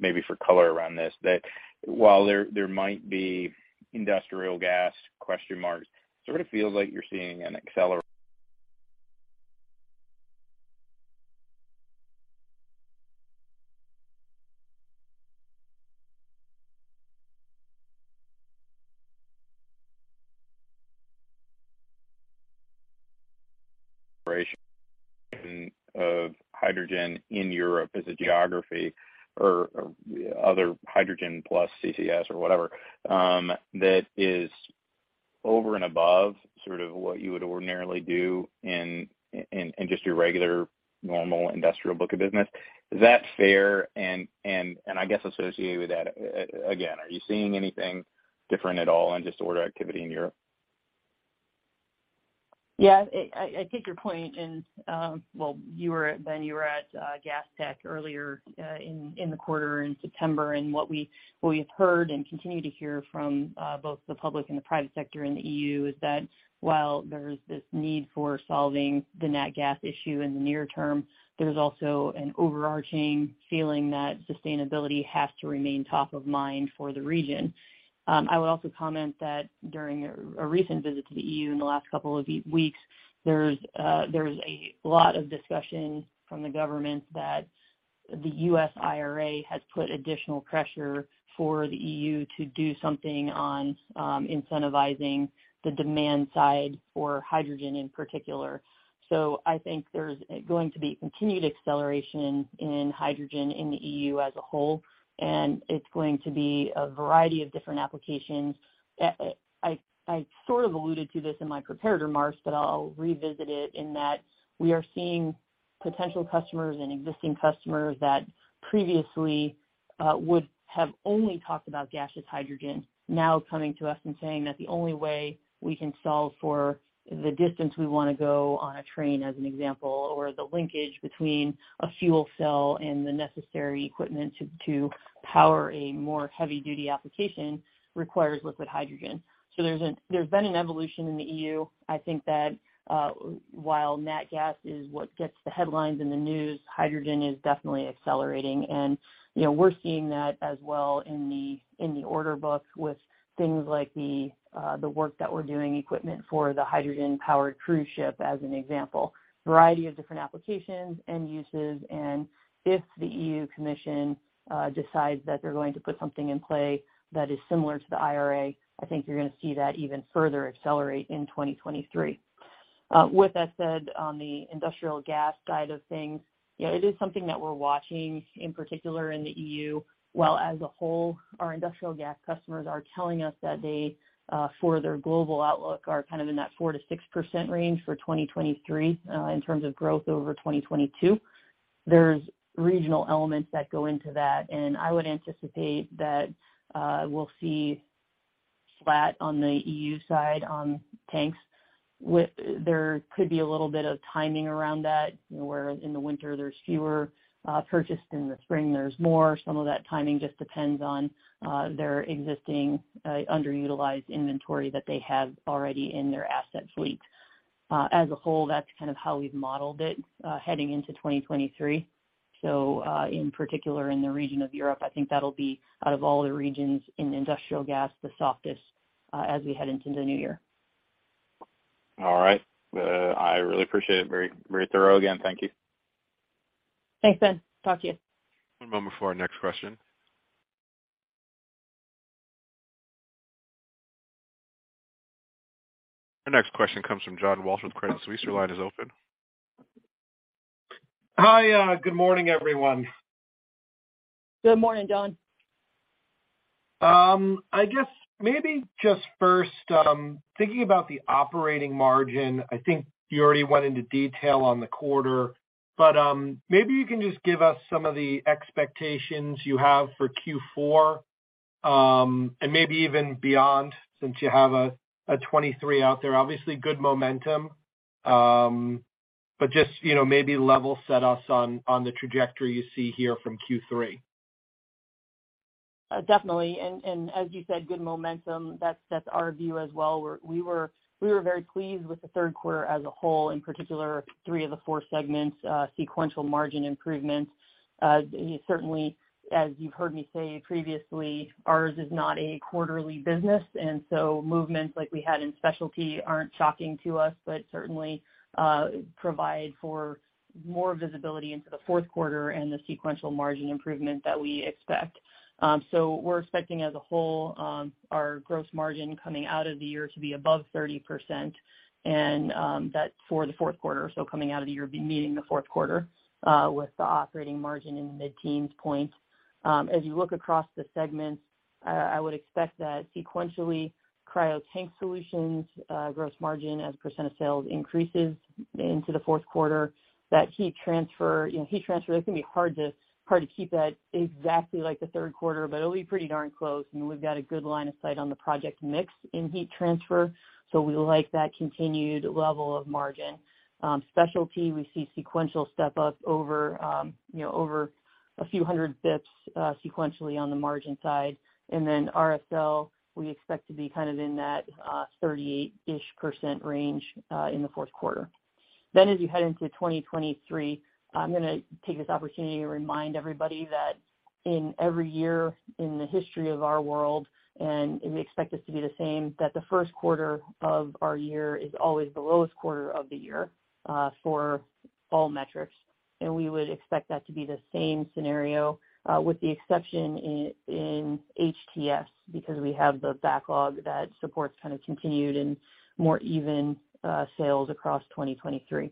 maybe for color around this, that while there might be industrial gas question marks, it sort of feels like you're seeing an acceleration of hydrogen in Europe as a geography or other hydrogen plus CCS or whatever, that is over and above sort of what you would ordinarily do in just your regular normal industrial book of business. Is that fair? I guess associated with that, again, are you seeing anything different at all in just order activity in Europe? Yeah. I take your point and, well, Ben, you were at Gastech earlier in the quarter in September, and what we have heard and continue to hear from both the public and the private sector in the EU is that while there's this need for solving the nat gas issue in the near term, there's also an overarching feeling that sustainability has to remain top of mind for the region. I would also comment that during a recent visit to the EU in the last couple of weeks, there's a lot of discussion from the government that the U.S. IRA has put additional pressure for the EU to do something on incentivizing the demand side for hydrogen in particular. I think there's going to be continued acceleration in hydrogen in the EU as a whole, and it's going to be a variety of different applications. I sort of alluded to this in my prepared remarks, but I'll revisit it in that we are seeing potential customers and existing customers that previously would have only talked about gaseous hydrogen now coming to us and saying that the only way we can solve for the distance we wanna go on a train, as an example, or the linkage between a fuel cell and the necessary equipment to power a more heavy-duty application requires liquid hydrogen. There's been an evolution in the EU. I think that while nat gas is what gets the headlines in the news, hydrogen is definitely accelerating. You know, we're seeing that as well in the order book with things like the work that we're doing equipment for the hydrogen-powered cruise ship as an example. Variety of different applications, end uses, and if the European Commission decides that they're going to put something in play that is similar to the IRA, I think you're gonna see that even further accelerate in 2023. With that said, on the industrial gas side of things, you know, it is something that we're watching in particular in the EU, while as a whole, our industrial gas customers are telling us that they for their global outlook, are kind of in that 4%-6% range for 2023 in terms of growth over 2022. There's regional elements that go into that, and I would anticipate that we'll see flat on the EU side on tanks. There could be a little bit of timing around that, you know, where in the winter there's fewer purchases, in the spring there's more. Some of that timing just depends on their existing underutilized inventory that they have already in their asset fleet. As a whole, that's kind of how we've modeled it heading into 2023. In particular, in the region of Europe, I think that'll be out of all the regions in industrial gas the softest as we head into the new year. All right. I really appreciate it. Very, very thorough again. Thank you. Thanks, Ben. Talk to you. One moment before our next question. Our next question comes from John Walsh with Credit Suisse. Your line is open. Hi. Good morning, everyone. Good morning, John. I guess maybe just first, thinking about the operating margin, I think you already went into detail on the quarter, but maybe you can just give us some of the expectations you have for Q4, and maybe even beyond since you have a 2023 out there. Obviously good momentum, but just, you know, maybe level set us on the trajectory you see here from Q3. Definitely. As you said, good momentum. That's our view as well. We were very pleased with the third quarter as a whole, in particular, three of the four segments, sequential margin improvements. Certainly, as you've heard me say previously, ours is not a quarterly business, and so movements like we had in specialty aren't shocking to us, but certainly provide for more visibility into the fourth quarter and the sequential margin improvement that we expect. We're expecting as a whole, our gross margin coming out of the year to be above 30% and that for the fourth quarter. Coming out of the year, be meeting the fourth quarter with the operating margin in the mid-teens point. As you look across the segments, I would expect that sequentially, cryo tank solutions, gross margin as a percent of sales increases into the fourth quarter. That heat transfer, you know, that's gonna be hard to keep that exactly like the third quarter, but it'll be pretty darn close, and we've got a good line of sight on the project mix in heat transfer, so we like that continued level of margin. Specialty, we see sequential step up over, you know, over a few hundred basis points, sequentially on the margin side. Then RSL, we expect to be kind of in that 38%-ish range in the fourth quarter. As you head into 2023, I'm gonna take this opportunity to remind everybody that in every year in the history of our world, and we expect this to be the same, that the first quarter of our year is always the lowest quarter of the year, for all metrics, and we would expect that to be the same scenario, with the exception in HTS because we have the backlog that supports kind of continued and more even sales across 2023.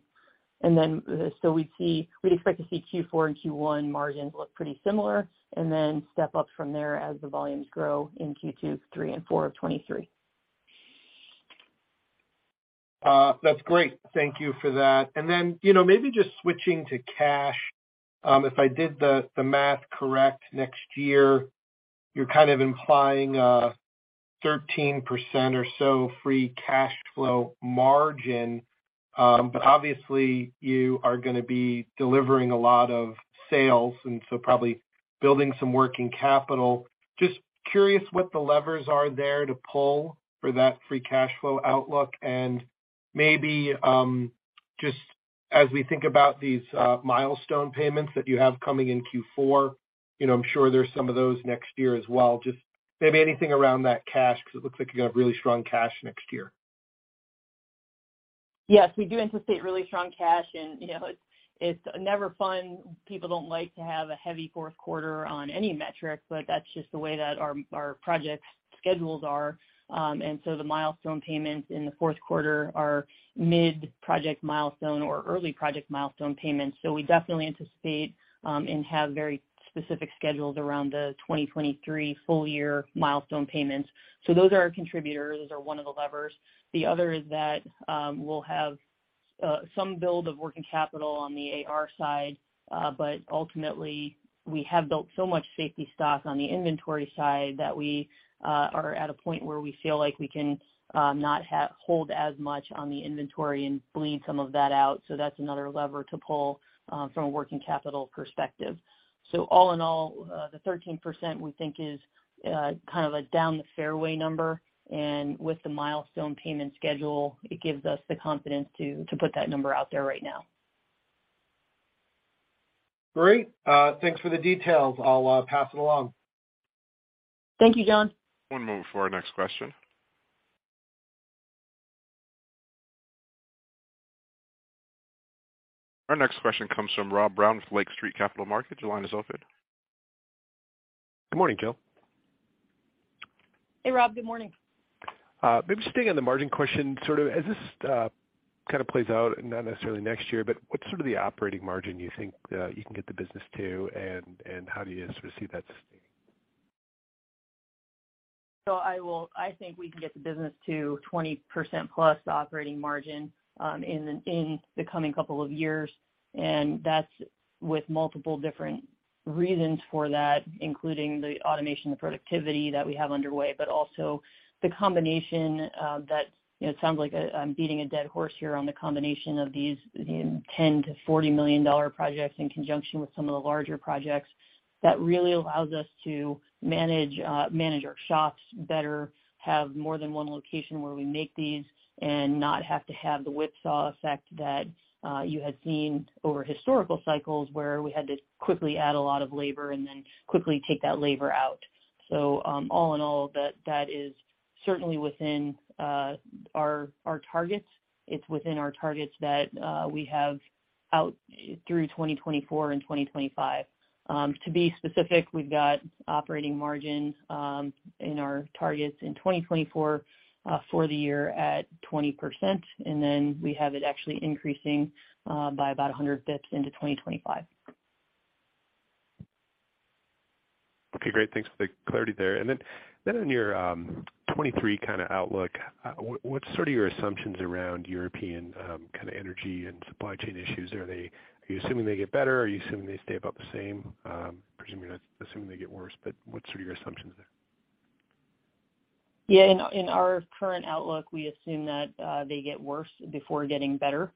We'd expect to see Q4 and Q1 margins look pretty similar and then step up from there as the volumes grow in Q2, Q3 and Q4 of 2023. That's great. Thank you for that. You know, maybe just switching to cash. If I did the math correct next year, you're kind of implying a 13% or so free cash flow margin. Obviously you are gonna be delivering a lot of sales and so probably building some working capital. Just curious what the levers are there to pull for that free cash flow outlook. Maybe, just as we think about these milestone payments that you have coming in Q4, you know, I'm sure there's some of those next year as well. Just maybe anything around that cash because it looks like you got really strong cash next year. Yes, we do anticipate really strong cash and, you know, it's never fun. People don't like to have a heavy fourth quarter on any metric, but that's just the way that our project schedules are. The milestone payments in the fourth quarter are mid-project milestone or early project milestone payments. We definitely anticipate and have very specific schedules around the 2023 full year milestone payments. Those are our contributors or one of the levers. The other is that we'll have some build of working capital on the AR side. Ultimately, we have built so much safety stock on the inventory side that we are at a point where we feel like we can not hold as much on the inventory and bleed some of that out. That's another lever to pull from a working capital perspective. All in all, the 13% we think is kind of a down the fairway number. With the milestone payment schedule, it gives us the confidence to put that number out there right now. Great. Thanks for the details. I'll pass it along. Thank you, John. One moment for our next question. Our next question comes from Rob Brown with Lake Street Capital Markets. Your line is open. Good morning, Jill. Hey, Rob. Good morning. Maybe staying on the margin question, sort of as this kind of plays out, and not necessarily next year, but what's sort of the operating margin you think you can get the business to and how do you sort of see that sustaining? I think we can get the business to 20%+ operating margin in the coming couple of years. That's with multiple different reasons for that, including the automation and productivity that we have underway, but also the combination that you know it sounds like I'm beating a dead horse here on the combination of these $10 million-$40 million projects in conjunction with some of the larger projects. That really allows us to manage our shops better, have more than one location where we make these, and not have to have the whipsaw effect that you had seen over historical cycles where we had to quickly add a lot of labor and then quickly take that labor out. All in all, that is certainly within our targets. It's within our targets that we have out through 2024 and 2025. To be specific, we've got operating margin in our targets in 2024 for the year at 20%. We have it actually increasing by about 100 basis points into 2025. Okay, great. Thanks for the clarity there. On your 2023 kinda outlook, what's sort of your assumptions around European kinda energy and supply chain issues? Are you assuming they get better? Are you assuming they stay about the same? Presumably not assuming they get worse, but what's sort of your assumptions there? Yeah. In our current outlook we assume that they get worse before getting better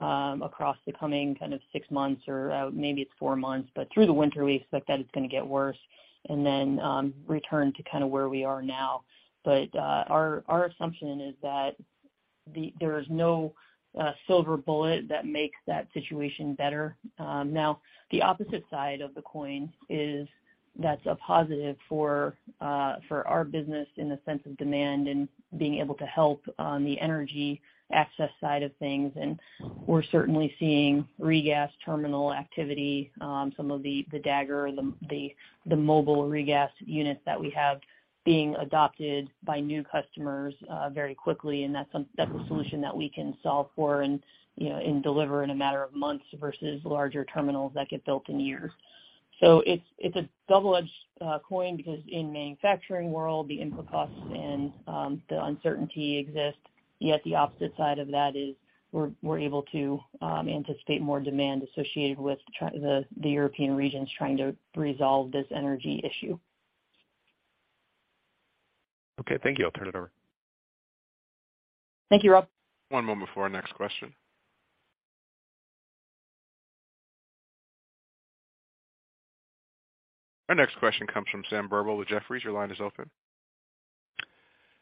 across the coming kind of six months or maybe it's four months. Through the winter we expect that it's gonna get worse and then return to kind of where we are now. Our assumption is that there is no silver bullet that makes that situation better. Now the opposite side of the coin is that's a positive for our business in the sense of demand and being able to help on the energy access side of things. We're certainly seeing regas terminal activity, some of the DAGR, the mobile regas units that we have being adopted by new customers very quickly, and that's a solution that we can solve for and, you know, and deliver in a matter of months versus larger terminals that get built in years. It's a double-edged coin because in manufacturing world the input costs and the uncertainty exist. Yet the opposite side of that is we're able to anticipate more demand associated with the European regions trying to resolve this energy issue. Okay, thank you. I'll turn it over. Thank you, Rob. One moment for our next question. Our next question comes from Sam Burwell with Jefferies. Your line is open.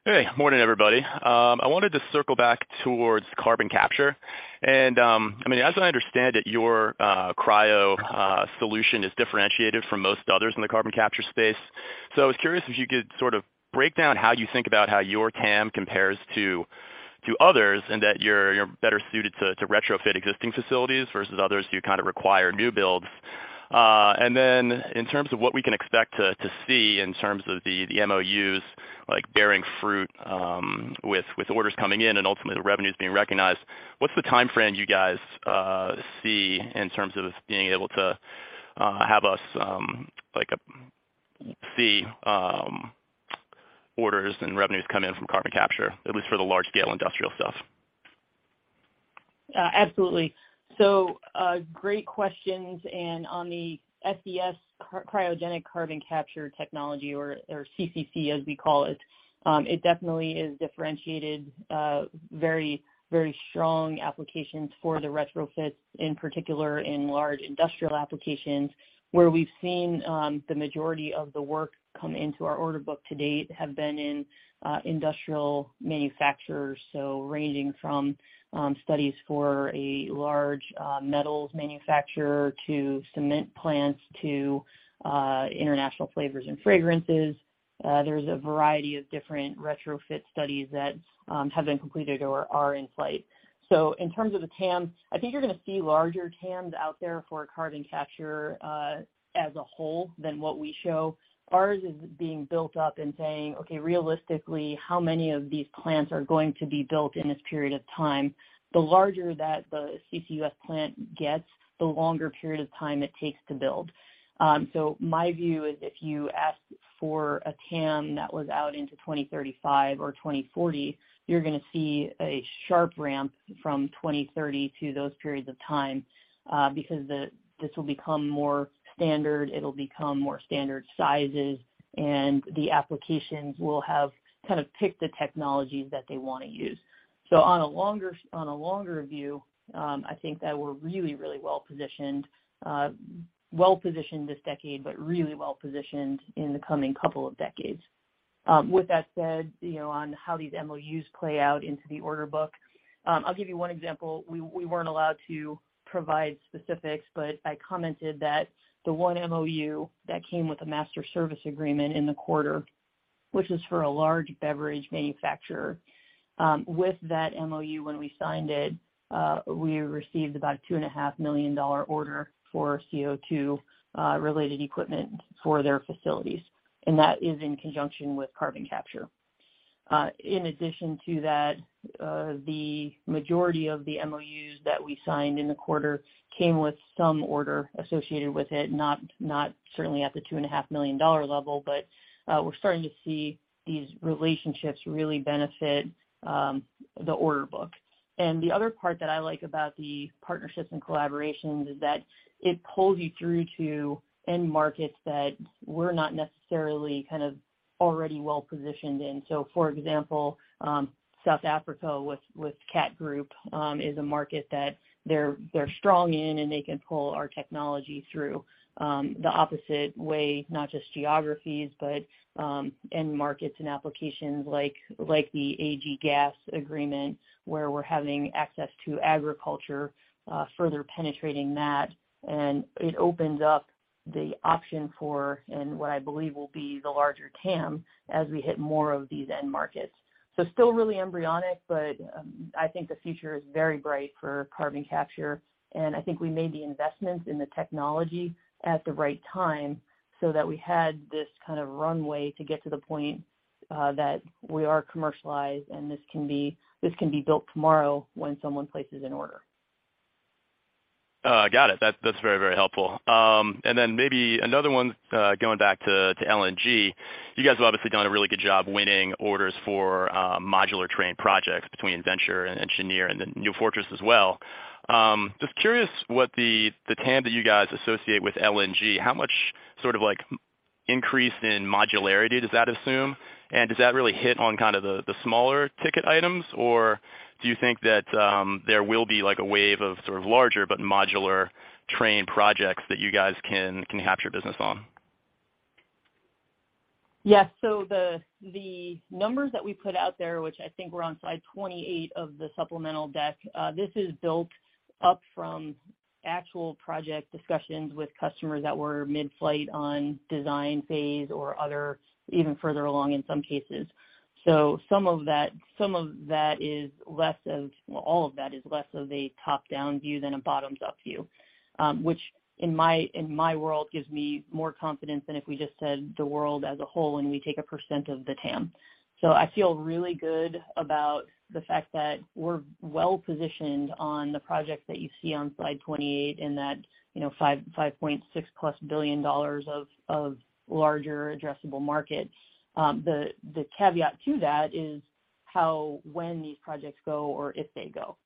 Hey. Morning, everybody. I wanted to circle back towards carbon capture. I mean, as I understand it, your cryo solution is differentiated from most others in the carbon capture space. I was curious if you could sort of break down how you think about how your TAM compares to others, and that you're better suited to retrofit existing facilities versus others who kind of require new builds. In terms of what we can expect to see in terms of the MOUs like bearing fruit, with orders coming in and ultimately the revenues being recognized, what's the timeframe you guys see in terms of being able to have us like see orders and revenues come in from carbon capture, at least for the large scale industrial stuff? Absolutely. Great questions. On the SES Cryogenic Carbon Capture technology or CCC as we call it definitely is differentiated, very strong applications for the retrofits, in particular in large industrial applications where we've seen the majority of the work come into our order book to date have been in industrial manufacturers. Ranging from studies for a large metals manufacturer to cement plants to International Flavors & Fragrances. There's a variety of different retrofit studies that have been completed or are in flight. In terms of the TAM, I think you're gonna see larger TAMs out there for carbon capture as a whole than what we show. Ours is being built up and saying, okay, realistically, how many of these plants are going to be built in this period of time? The larger that the CCUS plant gets, the longer period of time it takes to build. My view is if you asked for a TAM that was out into 2035 or 2040, you're gonna see a sharp ramp from 2030 to those periods of time, because this will become more standard, it'll become more standard sizes, and the applications will have kind of picked the technologies that they wanna use. On a longer view, I think that we're really, really well positioned, well positioned this decade, but really well positioned in the coming couple of decades. With that said, you know, on how these MOUs play out into the order book, I'll give you one example. We weren't allowed to provide specifics, but I commented that the one MOU that came with a master service agreement in the quarter, which is for a large beverage manufacturer, with that MOU, when we signed it, we received about $2.5 million order for CO2 related equipment for their facilities. That is in conjunction with carbon capture. In addition to that, the majority of the MOUs that we signed in the quarter came with some order associated with it, not certainly at the $2.5 million level, but we're starting to see these relationships really benefit the order book. The other part that I like about the partnerships and collaborations is that it pulls you through to end markets that we're not necessarily kind of already well positioned in. For example, South Africa with CAT Group is a market that they're strong in, and they can pull our technology through the opposite way, not just geographies, but end markets and applications like the AG Gas agreement where we're having access to agriculture, further penetrating that. It opens up the option for, and what I believe will be the larger TAM as we hit more of these end markets. Still really embryonic, but I think the future is very bright for carbon capture, and I think we made the investments in the technology at the right time so that we had this kind of runway to get to the point that we are commercialized and this can be built tomorrow when someone places an order. Got it. That's very, very helpful. Maybe another one, going back to LNG. You guys have obviously done a really good job winning orders for modular train projects between Venture and Cheniere and then New Fortress as well. Just curious what the TAM that you guys associate with LNG, how much sort of like increase in modularity does that assume? Does that really hit on kind of the smaller ticket items, or do you think that there will be like a wave of sort of larger but modular train projects that you guys can capture business on? Yeah. The numbers that we put out there, which I think we're on slide 28 of the supplemental deck, this is built up from actual project discussions with customers that were mid-flight on design phase or other even further along in some cases. Some of that is less of a top-down view than a bottoms-up view, all of that is less of a top-down view than a bottoms-up view, which in my world, gives me more confidence than if we just said the world as a whole and we take a percent of the TAM. I feel really good about the fact that we're well positioned on the projects that you see on slide 28 in that, you know, $5.6+ billion of larger addressable market. The caveat to that is how and when these projects go or if they go.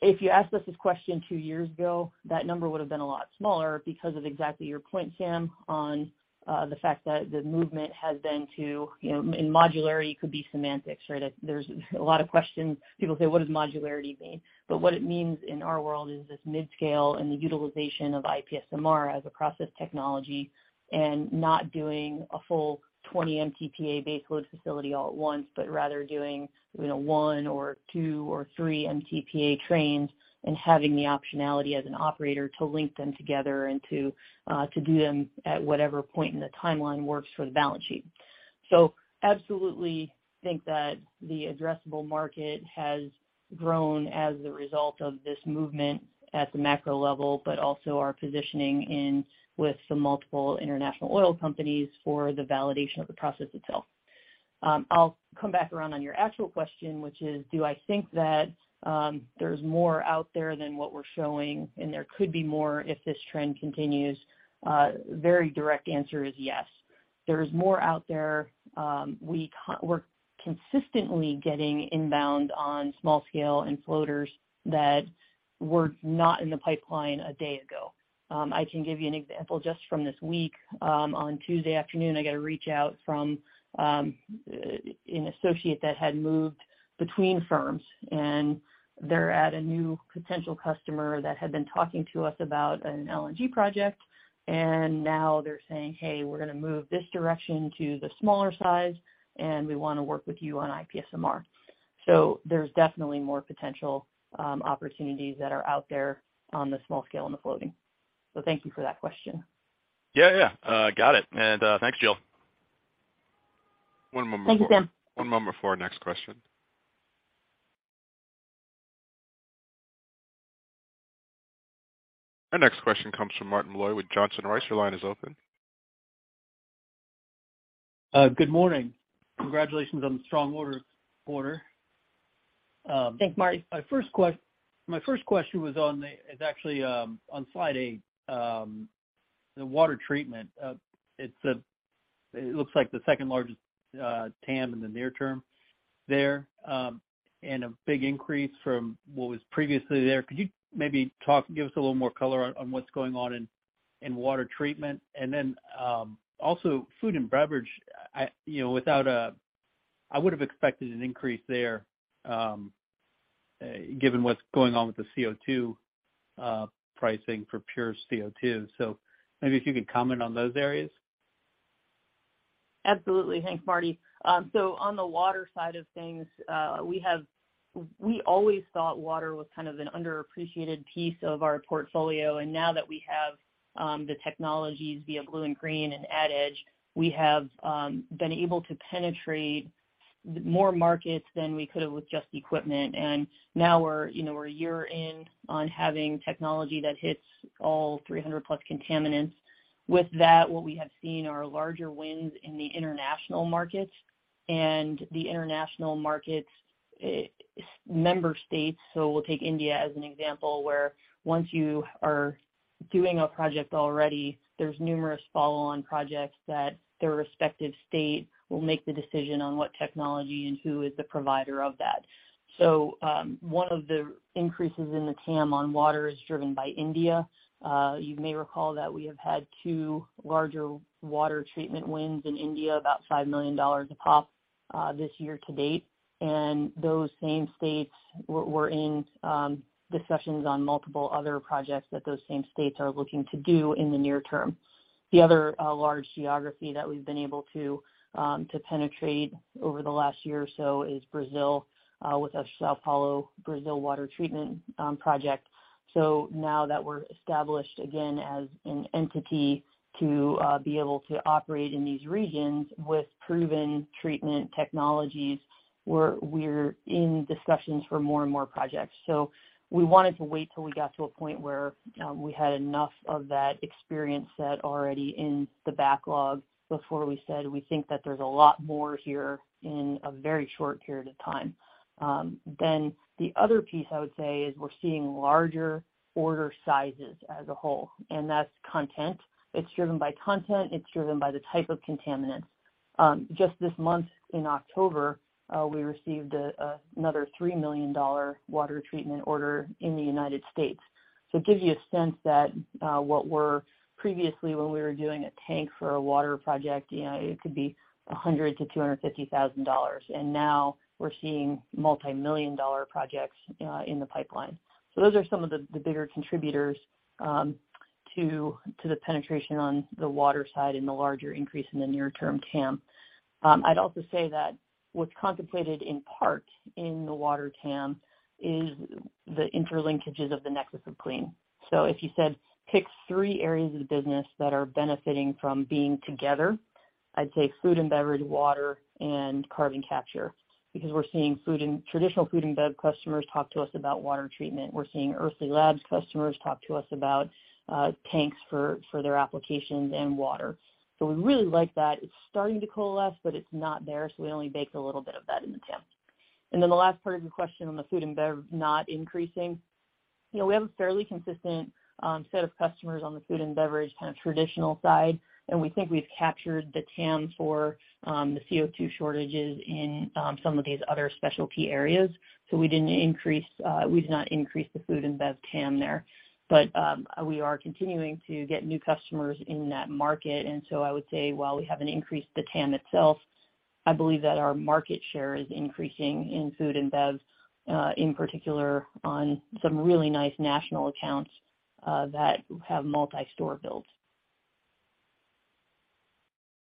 If you asked us this question two years ago, that number would've been a lot smaller because of exactly your point, Sam, on the fact that the movement has been to, you know, and modularity could be semantics, right? There's a lot of questions. People say, "What does modularity mean?" what it means in our world is this mid-scale and the utilization of IPSMR as a process technology and not doing a full 20 MTPA base load facility all at once, but rather doing, you know, one or two or three MTPA trains and having the optionality as an operator to link them together and to do them at whatever point in the timeline works for the balance sheet. I absolutely think that the addressable market has grown as a result of this movement at the macro level, but also our positioning in with some multiple international oil companies for the validation of the process itself. I'll come back around on your actual question, which is, do I think that there's more out there than what we're showing, and there could be more if this trend continues? Very direct answer is yes. There's more out there. We're consistently getting inbound on small scale and floaters that were not in the pipeline a day ago. I can give you an example just from this week. On Tuesday afternoon, I got a reach out from an associate that had moved between firms, and they're at a new potential customer that had been talking to us about an LNG project. Now they're saying, "Hey, we're gonna move this direction to the smaller size, and we wanna work with you on IPSMR." There's definitely more potential opportunities that are out there on the small scale and the floating. Thank you for that question. Yeah. Yeah. Got it. Thanks, Jill. Thank you, Sam. One moment before our next question. Our next question comes from Martin Malloy with Johnson Rice. Your line is open. Good morning. Congratulations on the strong orders, quarter. Thanks, Marty. My first question was on it's actually on slide 8, the water treatment. It looks like the second-largest TAM in the near term there, and a big increase from what was previously there. Could you maybe talk, give us a little more color on what's going on in water treatment? Also food and beverage, you know, without a I would have expected an increase there, given what's going on with the CO2 pricing for pure CO2. Maybe if you could comment on those areas. Absolutely. Thanks, Marty. On the water side of things, we always thought water was kind of an underappreciated piece of our portfolio, and now that we have the technologies via BlueInGreen and AdEdge, we have been able to penetrate more markets than we could have with just equipment. Now we're, you know, we're a year in on having technology that hits all 300+ contaminants. With that, what we have seen are larger wins in the international markets. The international markets, member states, so we'll take India as an example, where once you are doing a project already, there's numerous follow-on projects that their respective state will make the decision on what technology and who is the provider of that. One of the increases in the TAM on water is driven by India. You may recall that we have had two larger water treatment wins in India, about $5 million a pop, this year to date. Those same states, we're in discussions on multiple other projects that those same states are looking to do in the near term. The other large geography that we've been able to penetrate over the last year or so is Brazil with a São Paulo, Brazil, water treatment project. Now that we're established, again, as an entity to be able to operate in these regions with proven treatment technologies, we're in discussions for more and more projects. We wanted to wait till we got to a point where we had enough of that experience set already in the backlog before we said, we think that there's a lot more here in a very short period of time. The other piece I would say is we're seeing larger order sizes as a whole, and that's content. It's driven by content. It's driven by the type of contaminants. Just this month in October, we received another $3 million water treatment order in the United States. It gives you a sense that what were previously when we were doing a tank for a water project, you know, it could be $100-$250,000, and now we're seeing multimillion-dollar projects in the pipeline. Those are some of the bigger contributors to the penetration on the water side and the larger increase in the near term TAM. I'd also say that what's contemplated in part in the water TAM is the interlinkages of the Nexus of Clean. If you said pick three areas of the business that are benefiting from being together, I'd say food and beverage, water, and carbon capture. Because we're seeing food and traditional food and bev customers talk to us about water treatment. We're seeing Earthly Labs customers talk to us about tanks for their applications and water. We really like that. It's starting to coalesce, but it's not there, so we only baked a little bit of that in the TAM. Then the last part of your question on the food and bev not increasing. You know, we have a fairly consistent set of customers on the food and beverage kind of traditional side, and we think we've captured the TAM for the CO2 shortages in some of these other specialty areas. We did not increase the food and bev TAM there. We are continuing to get new customers in that market. I would say while we haven't increased the TAM itself, I believe that our market share is increasing in food and bev, in particular on some really nice national accounts that have multi-store builds.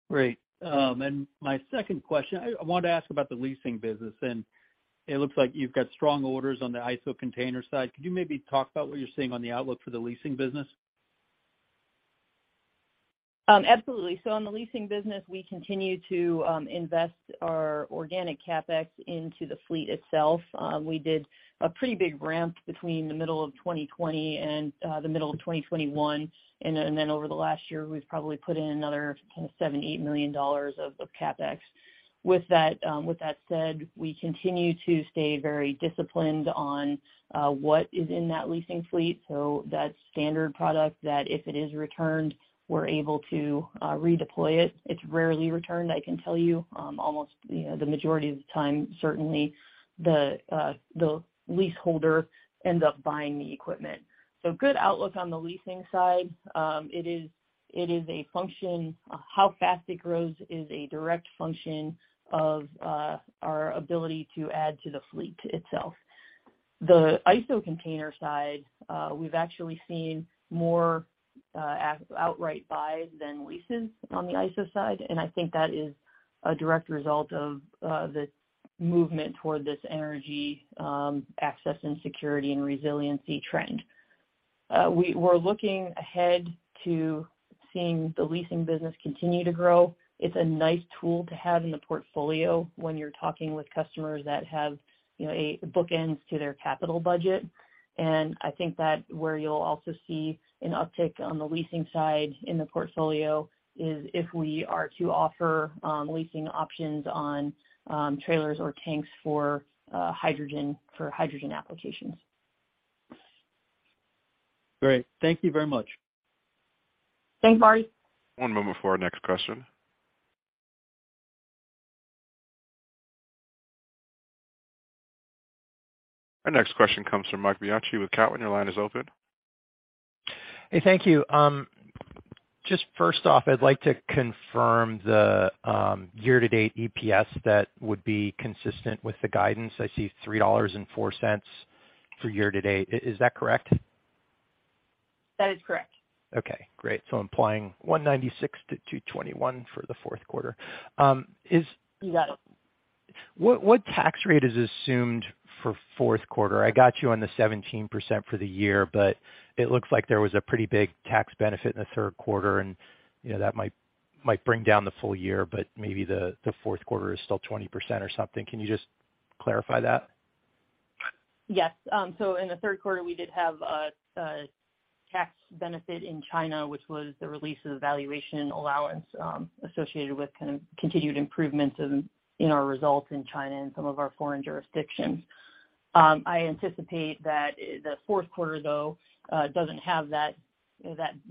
Great. My second question, I wanted to ask about the leasing business, and it looks like you've got strong orders on the ISO container side. Could you maybe talk about what you're seeing on the outlook for the leasing business? Absolutely. On the leasing business, we continue to invest our organic CapEx into the fleet itself. We did a pretty big ramp between the middle of 2020 and the middle of 2021. Over the last year, we've probably put in another kind of $7 million-$8 million of CapEx. With that said, we continue to stay very disciplined on what is in that leasing fleet. That's standard product that if it is returned, we're able to redeploy it. It's rarely returned, I can tell you. Almost, you know, the majority of the time, certainly the leaseholder ends up buying the equipment. Good outlook on the leasing side. It is a function. How fast it grows is a direct function of our ability to add to the fleet itself. The ISO container side, we've actually seen more outright buys than leases on the ISO side, and I think that is a direct result of the movement toward this energy access and security and resiliency trend. We're looking ahead to seeing the leasing business continue to grow. It's a nice tool to have in the portfolio when you're talking with customers that have, you know, a bookends to their capital budget. I think that where you'll also see an uptick on the leasing side in the portfolio is if we are to offer leasing options on trailers or tanks for hydrogen applications. Great. Thank you very much. Thanks, Marty. One moment before our next question. Our next question comes from Marc Bianchi with Cowen. Your line is open. Hey, thank you. Just first off, I'd like to confirm the year-to-date EPS that would be consistent with the guidance. I see $3.04 for year to date. Is that correct? That is correct. Okay, great. Implying 196-221 for the fourth quarter. You got it. What tax rate is assumed for fourth quarter? I got you on the 17% for the year, but it looks like there was a pretty big tax benefit in the third quarter and, you know, that might bring down the full year, but maybe the fourth quarter is still 20% or something. Can you just clarify that? Yes. So in the third quarter, we did have a tax benefit in China, which was the release of the valuation allowance, associated with kind of continued improvements in our results in China and some of our foreign jurisdictions. I anticipate that the fourth quarter, though, doesn't have that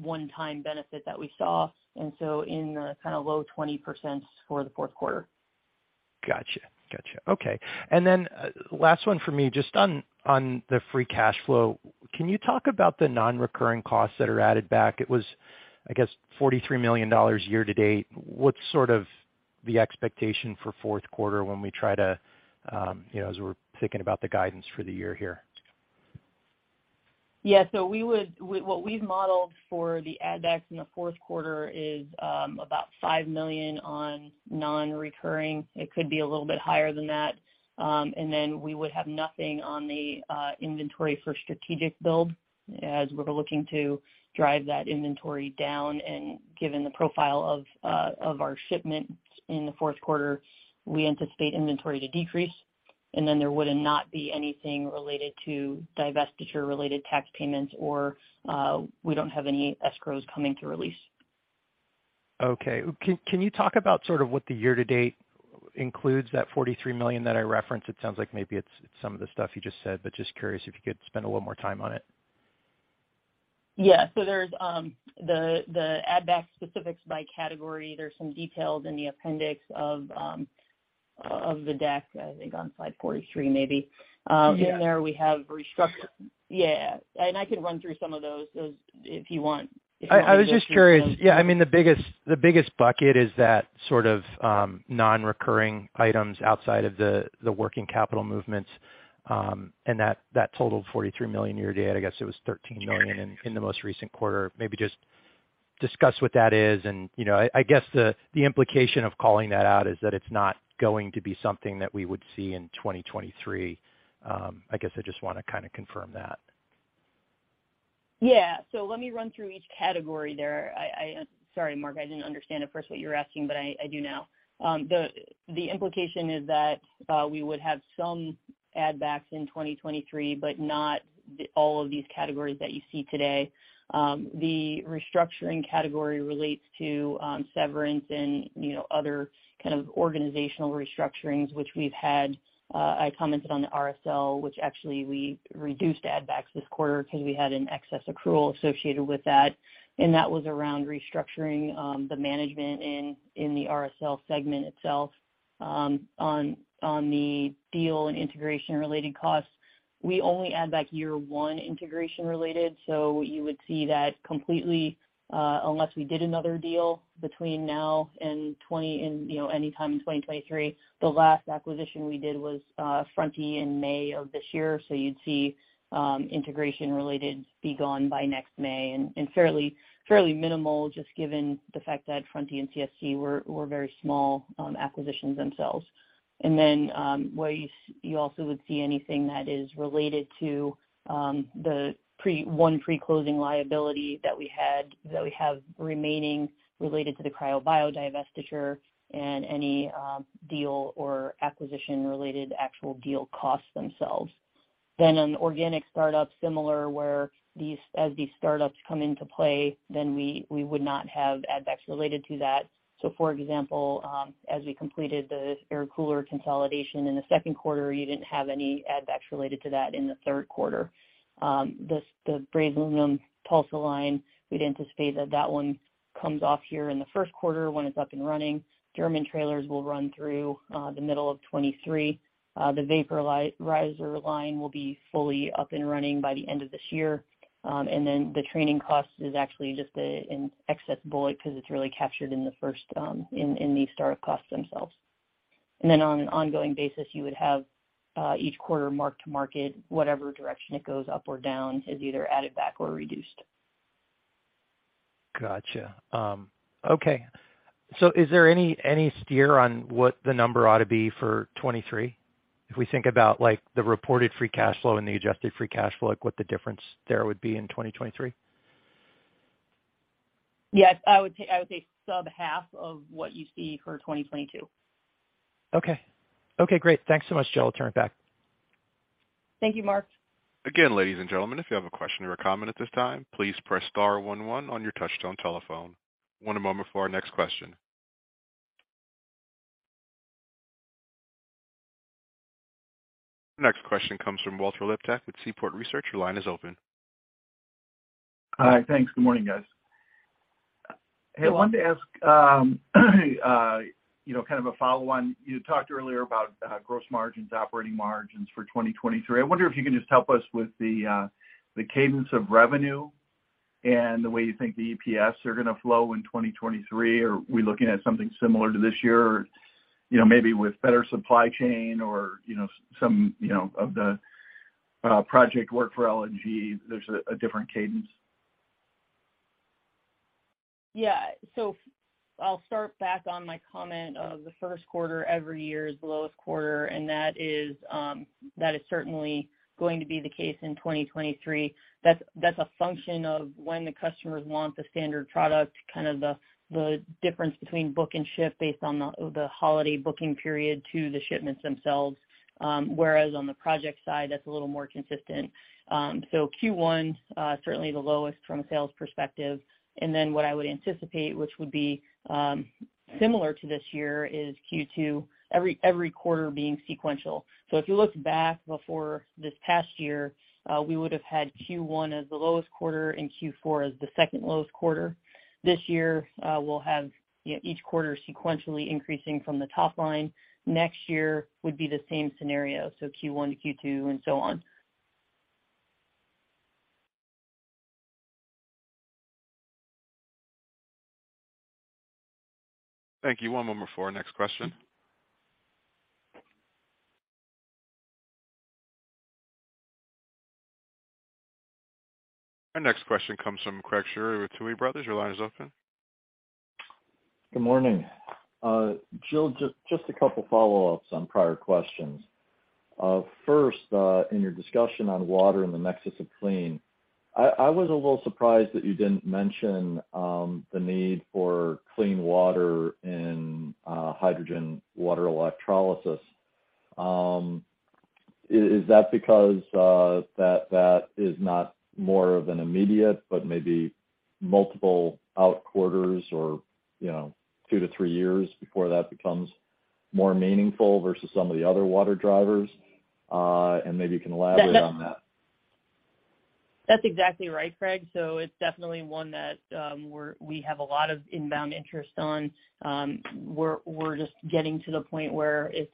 one-time benefit that we saw. In the kind of low 20% for the fourth quarter. Gotcha. Okay. Last one for me, just on the free cash flow. Can you talk about the non-recurring costs that are added back? It was, I guess, $43 million year to date. What's sort of the expectation for fourth quarter when we try to, you know, as we're thinking about the guidance for the year here? What we've modeled for the add backs in the fourth quarter is about $5 million on non-recurring. It could be a little bit higher than that. We would have nothing on the inventory for strategic build as we're looking to drive that inventory down. Given the profile of our shipments in the fourth quarter, we anticipate inventory to decrease. There would not be anything related to divestiture-related tax payments or we don't have any escrows coming to release. Okay. Can you talk about sort of what the year to date includes, that $43 million that I referenced? It sounds like maybe it's some of the stuff you just said, but just curious if you could spend a little more time on it. Yeah. There's the add back specifics by category. There's some details in the appendix of the deck, I think on slide 43 maybe. In there we have restructure. I can run through some of those if you want. I was just curious. Yeah, I mean, the biggest bucket is that sort of non-recurring items outside of the working capital movements, and that totaled $43 million year to date. I guess it was $13 million in the most recent quarter. Maybe just discuss what that is. You know, I guess the implication of calling that out is that it's not going to be something that we would see in 2023. I guess I just wanna kinda confirm that. Yeah. Let me run through each category there. Sorry Marc, I didn't understand at first what you were asking, but I do now. The implication is that we would have some add backs in 2023, but not all of these categories that you see today. The restructuring category relates to severance and, you know, other kind of organizational restructurings, which we've had. I commented on the RSL, which actually we reduced add backs this quarter because we had an excess accrual associated with that. That was around restructuring the management in the RSL segment itself. On the deal and integration related costs, we only add back year one integration related. You would see that completely, unless we did another deal between now and 2023 and, you know, anytime in 2023. The last acquisition we did was Fronti in May of this year. You'd see integration-related be gone by next May and fairly minimal just given the fact that Fronti and CSC were very small acquisitions themselves. You also would see anything that is related to the pre-closing liability that we have remaining related to the Cryobiological divestiture and any deal- or acquisition-related actual deal costs themselves. On organic startups, similar where as these startups come into play, we would not have add-backs related to that. For example, as we completed the air cooler consolidation in the second quarter, you didn't have any add-backs related to that in the third quarter. The brazing Tulsa line, we'd anticipate that one comes off here in the first quarter when it's up and running. German trailers will run through the middle of 2023. The vaporizer line will be fully up and running by the end of this year. The training cost is actually just an excess bullet 'cause it's really captured in the first in the start-up costs themselves. On an ongoing basis, you would have each quarter mark-to-market, whatever direction it goes up or down is either added back or reduced. Gotcha. Okay. Is there any steer on what the number ought to be for 2023? If we think about like the reported free cash flow and the adjusted free cash flow, like what the difference there would be in 2023. Yes, I would say sub half of what you see for 2022. Okay. Okay, great. Thanks so much, Jill. I'll turn it back. Thank you, Marc. Again, ladies and gentlemen, if you have a question or a comment at this time, please press star one one on your touchtone telephone. One moment for our next question. The next question comes from Walt Liptak with Seaport Research Partners. Your line is open. Hi. Thanks. Good morning, guys. Hey, I wanted to ask, you know, kind of a follow on. You talked earlier about gross margins, operating margins for 2023. I wonder if you can just help us with the cadence of revenue and the way you think the EPS are gonna flow in 2023. Are we looking at something similar to this year, you know, maybe with better supply chain or, you know, some you know, of the project work for LNG, there's a different cadence. I'll start back on my comment of the first quarter every year is the lowest quarter, and that is certainly going to be the case in 2023. That's a function of when the customers want the standard product, kind of the difference between book and ship based on the holiday booking period to the shipments themselves. Whereas on the project side, that's a little more consistent. Q1 certainly the lowest from a sales perspective. What I would anticipate, which would be similar to this year is Q2, every quarter being sequential. If you look back before this past year, we would've had Q1 as the lowest quarter and Q4 as the second lowest quarter. This year, we'll have, you know, each quarter sequentially increasing from the top line. Next year would be the same scenario, so Q1 to Q2 and so on. Thank you. One moment for our next question. Our next question comes from Craig Shere with Tuohy Brothers. Your line is open. Good morning. Jill, just a couple follow-ups on prior questions. First, in your discussion on water in the Nexus of Clean, I was a little surprised that you didn't mention the need for clean water and hydrogen water electrolysis. Is that because that is not more of an immediate but maybe multiple out quarters or, you know, two to three years before that becomes more meaningful versus some of the other water drivers? And maybe you can elaborate on that. That's exactly right, Craig. It's definitely one that we have a lot of inbound interest on. We're just getting to the point where it's,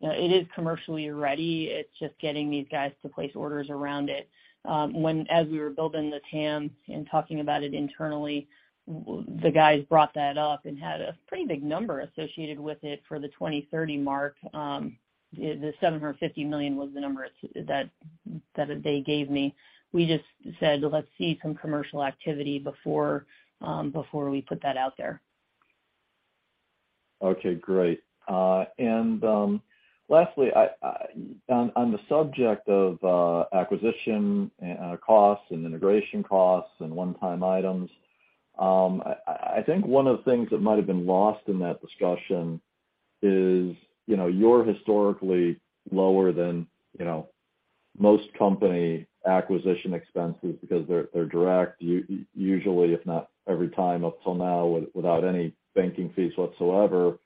you know, it is commercially ready. It's just getting these guys to place orders around it. As we were building the TAM and talking about it internally, well, the guys brought that up and had a pretty big number associated with it for the 2030 mark. The $750 million was the number that they gave me. We just said, "Let's see some commercial activity before we put that out there. Okay, great. Lastly, on the subject of acquisition and costs and integration costs and one-time items, I think one of the things that might have been lost in that discussion is, you know, you're historically lower than, you know, most company acquisition expenses because they're direct usually, if not every time up till now, without any banking fees whatsoever.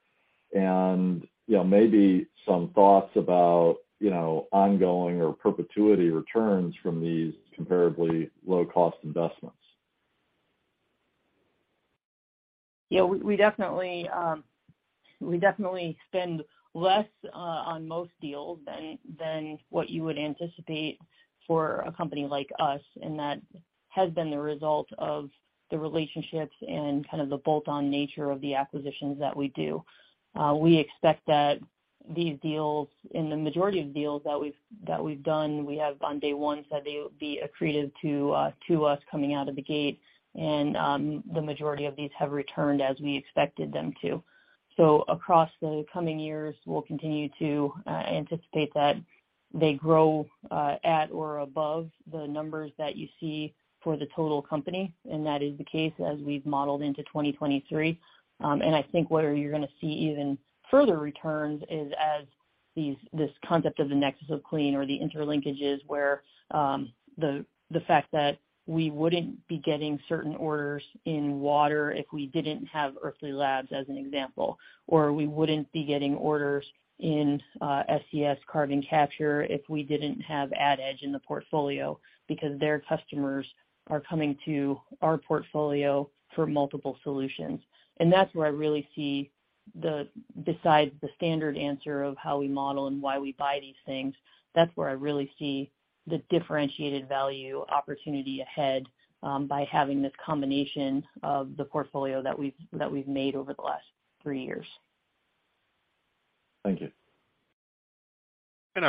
You know, maybe some thoughts about, you know, ongoing or perpetuity returns from these comparably low-cost investments. Yeah. We definitely spend less on most deals than what you would anticipate for a company like us, and that has been the result of the relationships and kind of the bolt-on nature of the acquisitions that we do. We expect that these deals, in the majority of deals that we've done, we have on day one said they would be accretive to us coming out of the gate. The majority of these have returned as we expected them to. Across the coming years, we'll continue to anticipate that they grow at or above the numbers that you see for the total company, and that is the case as we've modeled into 2023. I think where you're gonna see even further returns is as this concept of the Nexus of Clean or the interlinkages where, the fact that we wouldn't be getting certain orders in water if we didn't have Earthly Labs, as an example. Or we wouldn't be getting orders in, SES carbon capture if we didn't have AdEdge in the portfolio because their customers are coming to our portfolio for multiple solutions. That's where I really see the besides the standard answer of how we model and why we buy these things, that's where I really see the differentiated value opportunity ahead, by having this combination of the portfolio that we've made over the last three years. Thank you.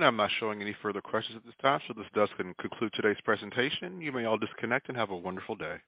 I'm not showing any further questions at this time, so this does then conclude today's presentation. You may all disconnect and have a wonderful day.